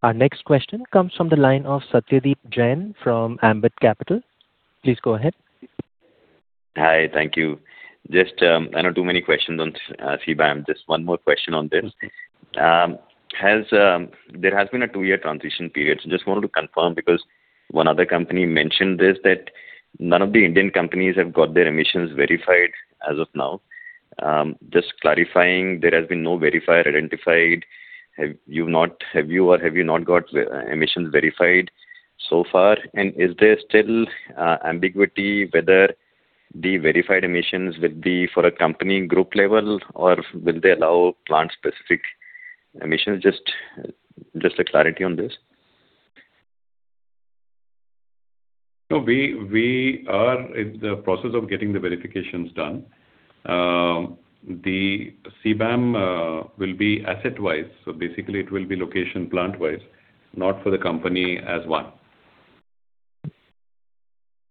S1: Our next question comes from the line of Satyadeep Jain from Ambit Capital. Please go ahead.
S13: Hi. Thank you. Just, I know too many questions on CBAM. Just one more question on this. There has been a two-year transition period. So just wanted to confirm because one other company mentioned this that none of the Indian companies have got their emissions verified as of now. Just clarifying, there has been no verifier identified. Have you or have you not got emissions verified so far? Is there still ambiguity whether the verified emissions will be for a company group level, or will they allow plant-specific emissions? Just a clarity on this.
S3: We are in the process of getting the verifications done. The CBAM will be asset-wise. Basically, it will be location plant-wise, not for the company as one.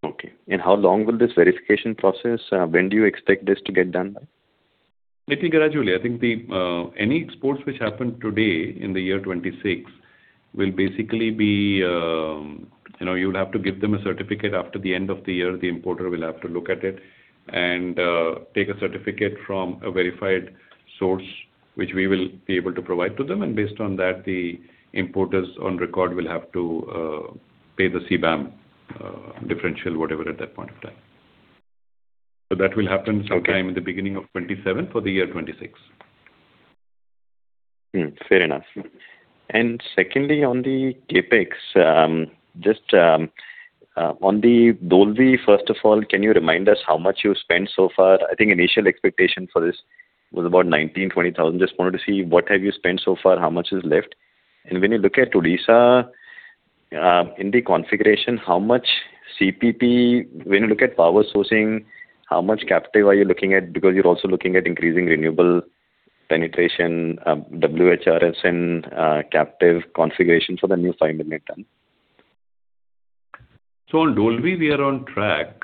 S13: Okay. How long will this verification process? When do you expect this to get done?
S3: It'll be gradually. I think any exports which happen today in the year 2026 will basically be you will have to give them a certificate after the end of the year. The importer will have to look at it and take a certificate from a verified source, which we will be able to provide to them. Based on that, the importers on record will have to pay the CBAM differential, whatever, at that point of time. So that will happen sometime in the beginning of 2027 for the year 2026.
S13: Fair enough. And secondly, on the CapEx, just on the Dolvi, first of all, can you remind us how much you spent so far? I think initial expectation for this was about 19,000-20,000. Just wanted to see what have you spent so far, how much is left. And when you look at Odisha in the configuration, how much CPP, when you look at power sourcing, how much captive are you looking at? Because you're also looking at increasing renewable penetration, WHRSN, and captive configuration for the new 5 million ton.
S3: So on Dolvi, we are on track.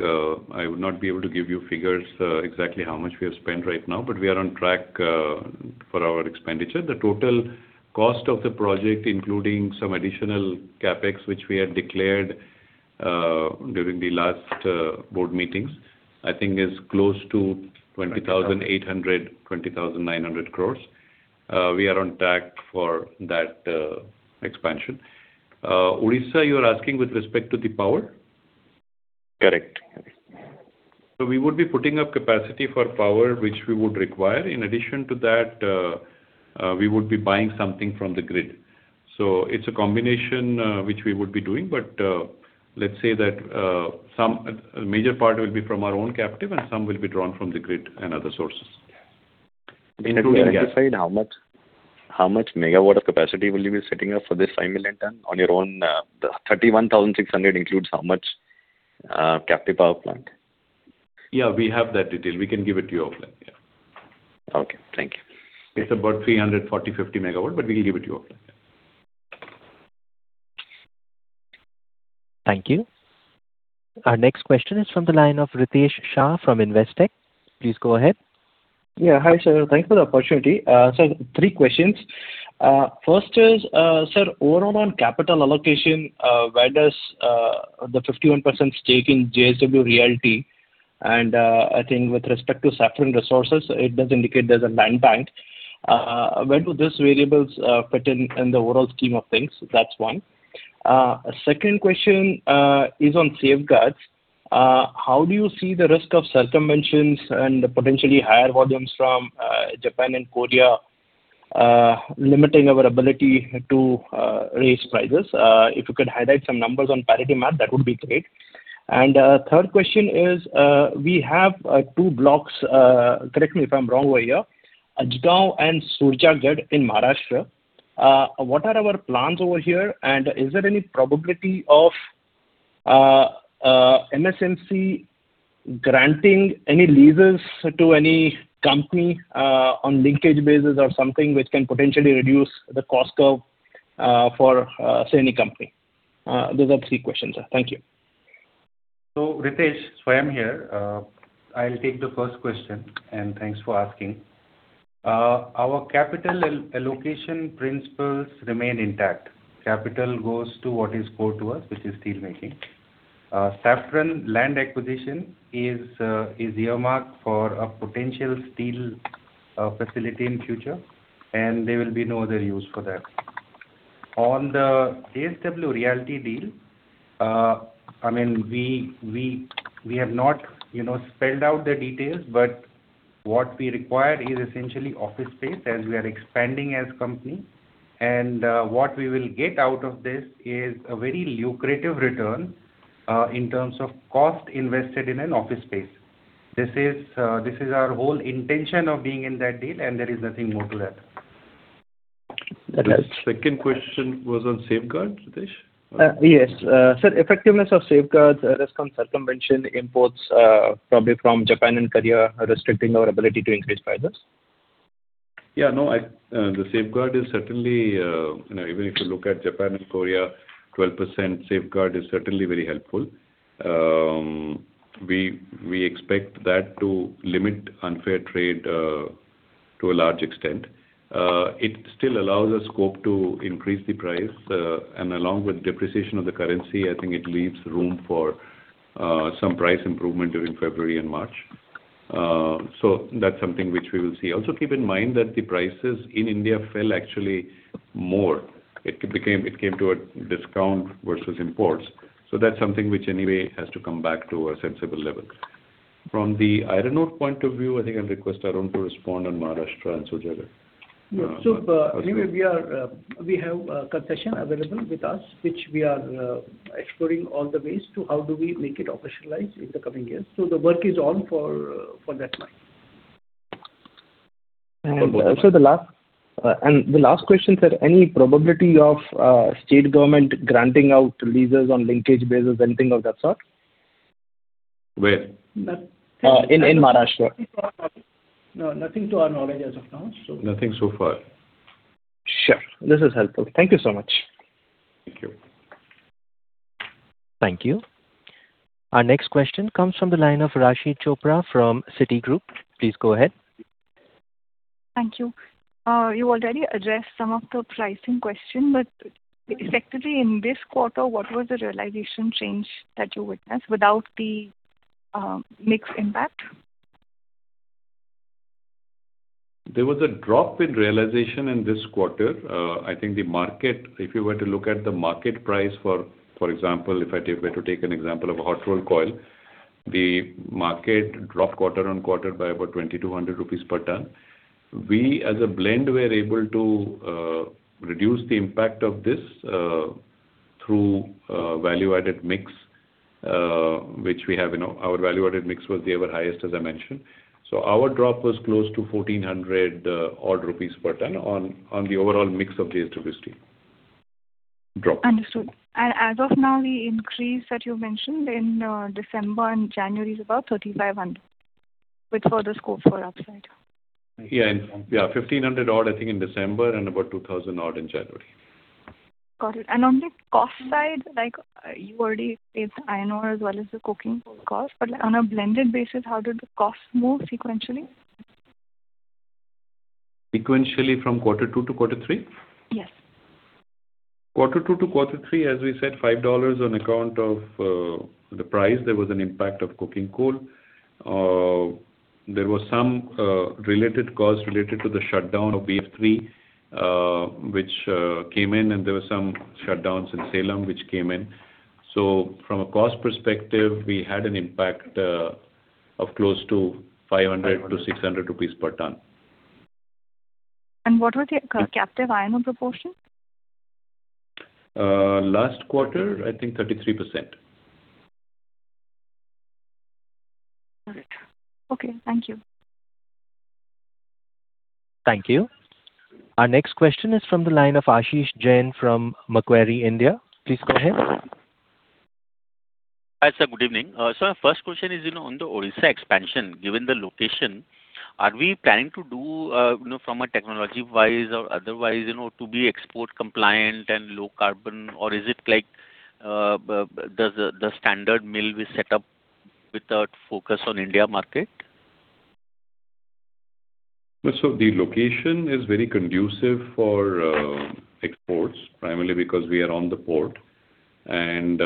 S3: I would not be able to give you figures exactly how much we have spent right now, but we are on track for our expenditure. The total cost of the project, including some additional CapEx which we had declared during the last board meetings, I think is close to 20,800 crore-20,900 crore. We are on track for that expansion. Odisha, you are asking with respect to the power?
S13: Correct.
S3: So we would be putting up capacity for power, which we would require. In addition to that, we would be buying something from the grid. So it's a combination which we would be doing, but let's say that a major part will be from our own captive, and some will be drawn from the grid and other sources.
S13: Can you clarify how much megawatt of capacity will you be setting up for this 5 million ton on your own? The 31,600 includes how much captive power plant?
S3: Yeah, we have that detail. We can give it to you offline.
S13: Yeah. Okay. Thank you.
S3: It's about 340-50 MW, but we'll give it to you offline.
S1: Thank you. Our next question is from the line of Ritesh Shah from Investec. Please go ahead.
S14: Yeah. Hi, sir. Thanks for the opportunity. Sir, three questions. First is, sir, overall on capital allocation, where does the 51% stake in JSW Realty? And I think with respect to Saffron Resources, it does indicate there's a land bank. Where do these variables fit in the overall scheme of things? That's one. Second question is on safeguards. How do you see the risk of circumventions and potentially higher volumes from Japan and Korea limiting our ability to raise prices? If you could highlight some numbers on parity map, that would be great. And third question is, we have two blocks (correct me if I'm wrong over here) Ajgaon and Surjagad in Maharashtra. What are our plans over here, and is there any probability of MSMC granting any leases to any company on linkage basis or something which can potentially reduce the cost curve for, say, any company? Those are the three questions. Thank you.
S5: So Ritesh, so I'm here. I'll take the first question, and thanks for asking. Our capital allocation principles remain intact. Capital goes to what is core to us, which is steelmaking. Saffron land acquisition is earmarked for a potential steel facility in the future, and there will be no other use for that. On the JSW Realty deal, I mean, we have not spelled out the details, but what we require is essentially office space as we are expanding as a company. And what we will get out of this is a very lucrative return in terms of cost invested in an office space. This is our whole intention of being in that deal, and there is nothing more to that.
S3: The second question was on safeguards, Ritesh?
S14: Yes. Sir, effectiveness of safeguards - this comes circumvention imports probably from Japan and Korea - restricting our ability to increase prices?
S3: Yeah. No, the safeguard is certainly - even if you look at Japan and Korea, 12% safeguard is certainly very helpful. We expect that to limit unfair trade to a large extent. It still allows us scope to increase the price, and along with depreciation of the currency, I think it leaves room for some price improvement during February and March. So that's something which we will see. Also, keep in mind that the prices in India fell actually more. It came to a discount versus imports. So that's something which anyway has to come back to a sensible level. From the iron ore point of view, I think I'll request Arun to respond on Maharashtra and Surjagad.
S11: Yeah. So anyway, we have concession available with us, which we are exploring all the ways to how do we make it operationalized in the coming years. So the work is on for that money.
S14: And also, the last question, sir, any probability of state government granting out leases on linkage basis, anything of that sort?
S3: Where?
S14: In Maharashtra.
S11: No, nothing to our knowledge as of now.
S3: So, nothing so far.
S14: Sure. This is helpful. Thank you so much.
S3: Thank you.
S1: Thank you. Our next question comes from the line of Raashi Chopra from Citigroup. Please go ahead.
S15: Thank you. You already addressed some of the pricing question, but effectively in this quarter, what was the realization change that you witnessed without the mix impact?
S3: There was a drop in realization in this quarter. I think the market, if you were to look at the market price for, for example, if I were to take an example of a hot-rolled coil, the market dropped quarter-on-quarter by about 2,200 rupees per ton. We, as a blend, were able to reduce the impact of this through value-added mix, which we have in our value-added mix was the ever highest, as I mentioned. So our drop was close to 1,400-odd rupees per ton on the overall mix of JSW Steel drop.
S15: Understood. And as of now, the increase that you mentioned in December and January is about 3,500 with further scope for upside.
S3: Yeah. Yeah. 1,500-odd, I think, in December and about 2,000-odd in January.
S15: Got it. On the cost side, you already paid the iron ore as well as the coking coal cost, but on a blended basis, how did the costs move sequentially?
S3: Sequentially from quarter two to quarter three?
S15: Yes.
S3: Quarter two to quarter three, as we said, $5 on account of the price. There was an impact of coking coal. There was some related cost related to the shutdown of BF3, which came in, and there were some shutdowns in Salem which came in. So from a cost perspective, we had an impact of close to 500-600 rupees per ton.
S15: And what was the captive iron ore proportion?
S3: Last quarter, I think 33%.
S15: Got it. Okay. Thank you.
S1: Thank you. Our next question is from the line of Ashish Jain from Macquarie, India. Please go ahead.
S16: Hi, sir. Good evening. So my first question is on the Odisha expansion. Given the location, are we planning to do from a technology-wise or otherwise to be export-compliant and low carbon, or is it like does the standard mill we set up with a focus on India market?
S3: So the location is very conducive for exports, primarily because we are on the port. And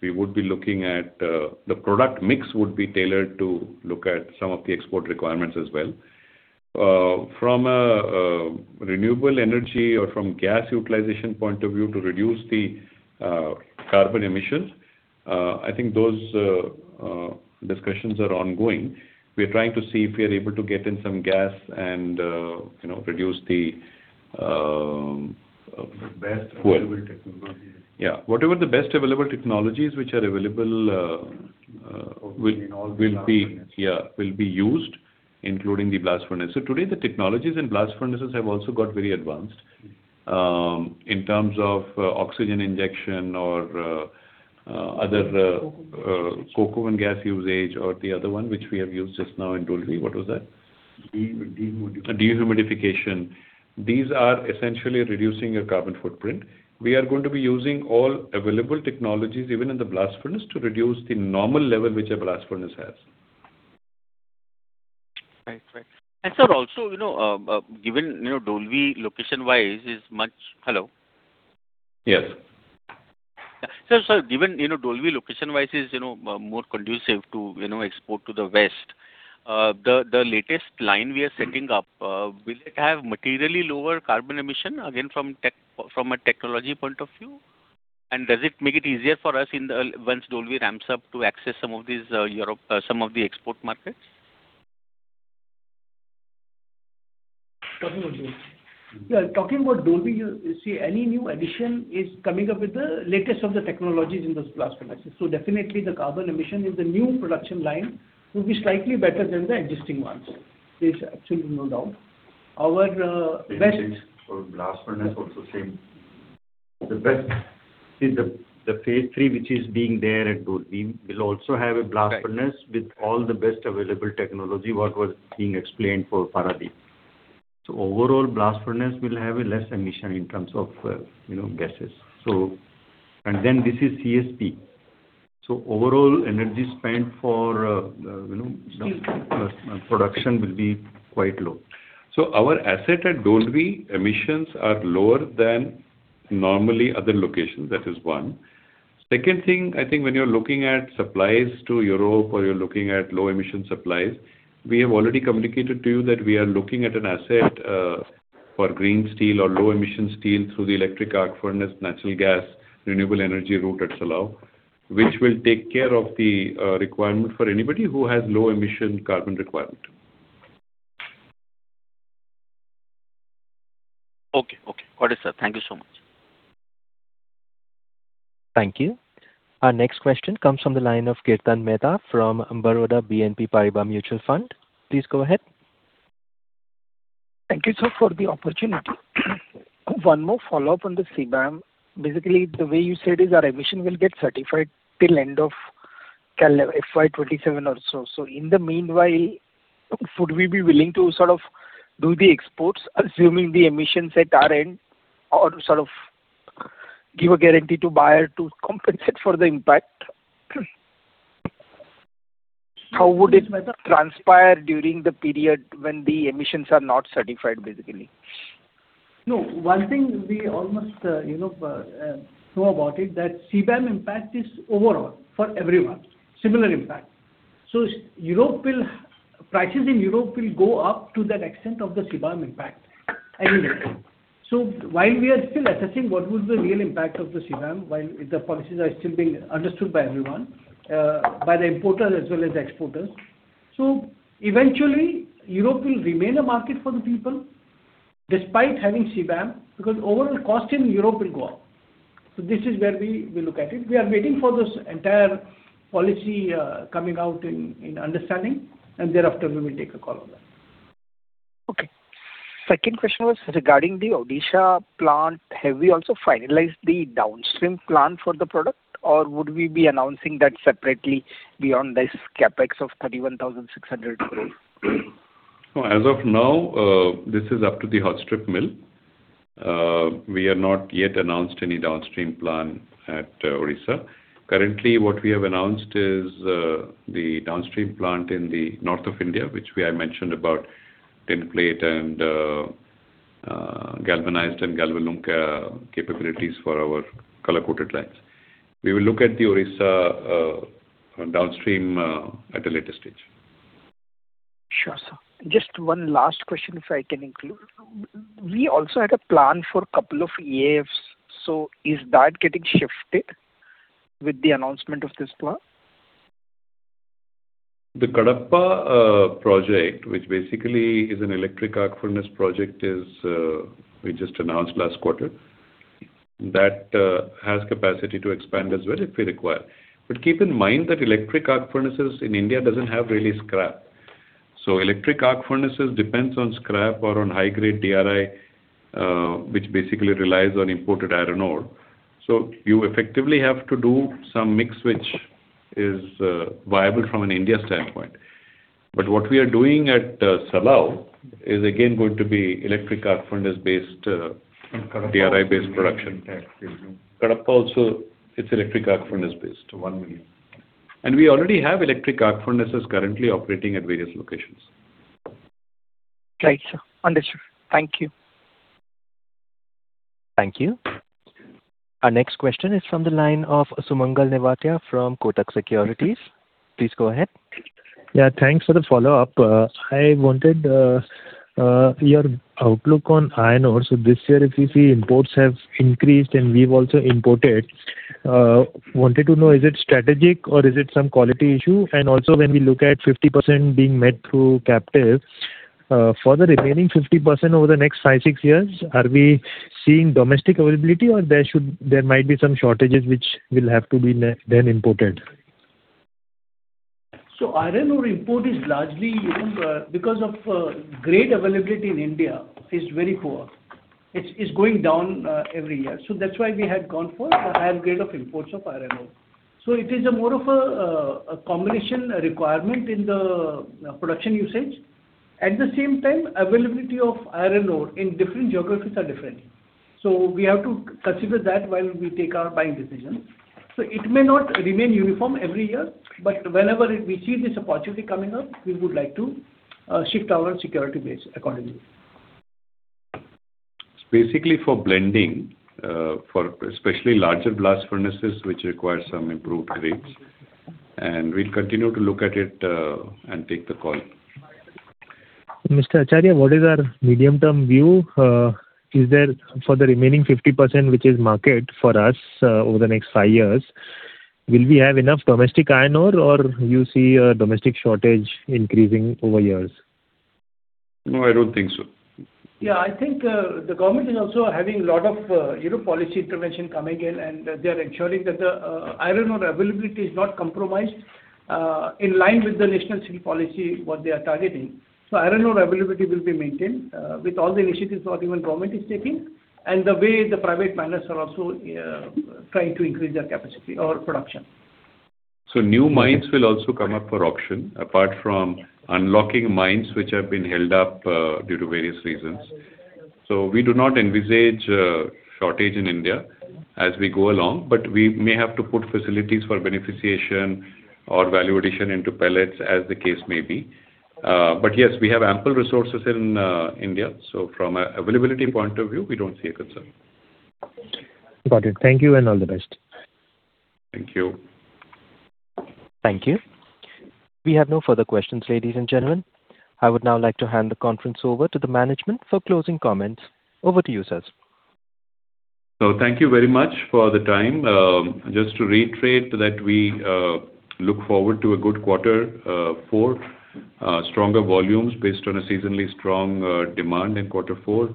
S3: we would be looking at the product mix would be tailored to look at some of the export requirements as well. From a renewable energy or from gas utilization point of view to reduce the carbon emissions, I think those discussions are ongoing. We're trying to see if we are able to get in some gas and reduce the. The best available technologies. Yeah. Whatever the best available technologies which are available will be. Yeah, will be used, including the blast furnace. So today, the technologies in blast furnaces have also got very advanced in terms of oxygen injection or other coke and gas usage or the other one which we have used just now in Dolvi.
S16: What was that?
S3: Dehumidification. These are essentially reducing your carbon footprint. We are going to be using all available technologies, even in the blast furnace, to reduce the normal level which a blast furnace has.
S16: Right. Right. And sir, also, given Dolvi location-wise is much hello?
S3: Yes.
S16: Sir, given Dolvi location-wise is more conducive to export to the west, the latest line we are setting up, will it have materially lower carbon emission, again, from a technology point of view? And does it make it easier for us once Dolvi ramps up to access some of these Europe some of the export markets?
S11: Definitely. Yeah. Talking about Dolvi, see, any new addition is coming up with the latest of the technologies in those blast furnaces. So definitely, the carbon emission in the new production line will be slightly better than the existing ones. There's absolutely no doubt. Our best.
S3: For blast furnace also, same. The best, see, the phase three, which is being there at Dolvi, will also have a blast furnace with all the best available technology what was being explained for Paradeep. So overall, blast furnace will have less emission in terms of gases. And then this is CSP. So overall energy spent for production will be quite low. So our asset at Dolvi emissions are lower than normally other locations. That is one. Second thing, I think when you're looking at supplies to Europe or you're looking at low-emission supplies, we have already communicated to you that we are looking at an asset for green steel or low-emission steel through the electric arc furnace, natural gas, renewable energy route at Salav, which will take care of the requirement for anybody who has low-emission carbon requirement.
S16: Okay. Okay. Got it, sir. Thank you so much.
S1: Thank you. Our next question comes from the line of Kirtan Mehta from Baroda BNP Paribas Mutual Fund. Please go ahead.
S17: Thank you, sir, for the opportunity. One more follow-up on the CBAM. Basically, the way you said is our emission will get certified till end of FY 2027 or so. So in the meanwhile, would we be willing to sort of do the exports, assuming the emissions at our end, or sort of give a guarantee to buyer to compensate for the impact? How would it transpire during the period when the emissions are not certified, basically?
S11: No, one thing we almost know about it, that CBAM impact is overall for everyone, similar impact. So prices in Europe will go up to that extent of the CBAM impact. So while we are still assessing what will be the real impact of the CBAM, while the policies are still being understood by everyone, by the importers as well as the exporters. So eventually, Europe will remain a market for the people despite having CBAM because overall cost in Europe will go up. So this is where we look at it. We are waiting for this entire policy coming out in understanding, and thereafter, we will take a call on that.
S17: Okay. Second question was regarding the Odisha plant. Have we also finalized the downstream plan for the product, or would we be announcing that separately beyond this CapEx of 31,600 crore?
S3: As of now, this is up to the hot strip mill. We have not yet announced any downstream plan at Odisha. Currently, what we have announced is the downstream plant in the north of India, which I mentioned about tinplate and galvanized and Galvalume capabilities for our color-coated lines. We will look at the Odisha downstream at a later stage.
S17: Sure, sir. Just one last question, if I can include. We also had a plan for a couple of years. So is that getting shifted with the announcement of this plan?
S3: The Kadapa project, which basically is an electric arc furnace project we just announced last quarter, that has capacity to expand as well if we require. But keep in mind that electric arc furnaces in India don't have really scrap. So electric arc furnaces depend on scrap or on high-grade DRI, which basically relies on imported iron ore. So you effectively have to do some mix which is viable from an India standpoint. But what we are doing at Salav is, again, going to be electric arc furnace-based DRI-based production. Kadapa also, it's electric arc furnace-based, 1 million. And we already have electric arc furnaces currently operating at various locations.
S17: Right, sir. Understood. Thank you.
S1: Thank you. Our next question is from the line of Sumangal Nevatia from Kotak Securities. Please go ahead.
S4: Yeah. Thanks for the follow-up. I wanted your outlook on iron ore. So this year, if you see imports have increased and we've also imported. Wanted to know, is it strategic or is it some quality issue? And also, when we look at 50% being met through captive, for the remaining 50% over the next 5, 6 years, are we seeing domestic availability or there might be some shortages which will have to be then imported?
S5: So iron ore import is largely because of great availability in India, is very poor. It's going down every year. So that's why we had gone for the higher grade of imports of iron ore. So it is more of a combination requirement in the production usage. At the same time, availability of iron ore in different geographies are different. So we have to consider that while we take our buying decision. So it may not remain uniform every year, but whenever we see this opportunity coming up, we would like to shift our security base accordingly.
S4: It's basically for blending, especially larger blast furnaces which require some improved grades. We'll continue to look at it and take the call.
S17: Mr. Acharya, what is our medium-term view? For the remaining 50%, which is market for us over the next five years, will we have enough domestic iron ore or do you see a domestic shortage increasing over years?
S3: No, I don't think so.
S5: Yeah. I think the government is also having a lot of policy intervention coming in, and they are ensuring that the iron ore availability is not compromised in line with the national steel policy, what they are targeting. So iron ore availability will be maintained with all the initiatives that even government is taking and the way the private miners are also trying to increase their capacity or production.
S3: So new mines will also come up for auction apart from unlocking mines which have been held up due to various reasons. So we do not envisage a shortage in India as we go along, but we may have to put facilities for beneficiation or value addition into pellets as the case may be. But yes, we have ample resources in India. So from an availability point of view, we don't see a concern.
S4: Got it. Thank you and all the best.
S3: Thank you.
S1: Thank you. We have no further questions, ladies and gentlemen. I would now like to hand the conference over to the management for closing comments. Over to you, sir.
S3: Thank you very much for the time. Just to reiterate that we look forward to a good quarter four, stronger volumes based on a seasonally strong demand in quarter four.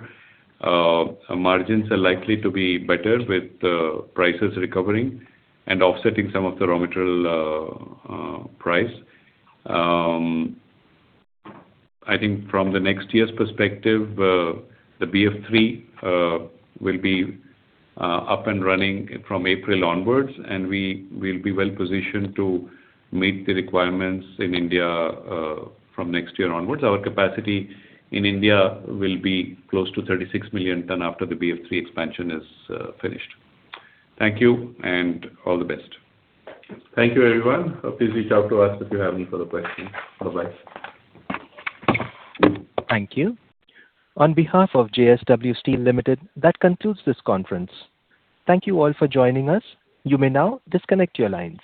S3: Margins are likely to be better with prices recovering and offsetting some of the raw material price. I think from the next year's perspective, the BF3 will be up and running from April onwards, and we will be well positioned to meet the requirements in India from next year onwards. Our capacity in India will be close to 36 million tons after the BF3 expansion is finished. Thank you and all the best.
S2: Thank you, everyone. Please reach out to us if you have any further questions. Bye-bye.
S1: Thank you. On behalf of JSW Steel Limited, that concludes this conference. Thank you all for joining us. You may now disconnect your lines.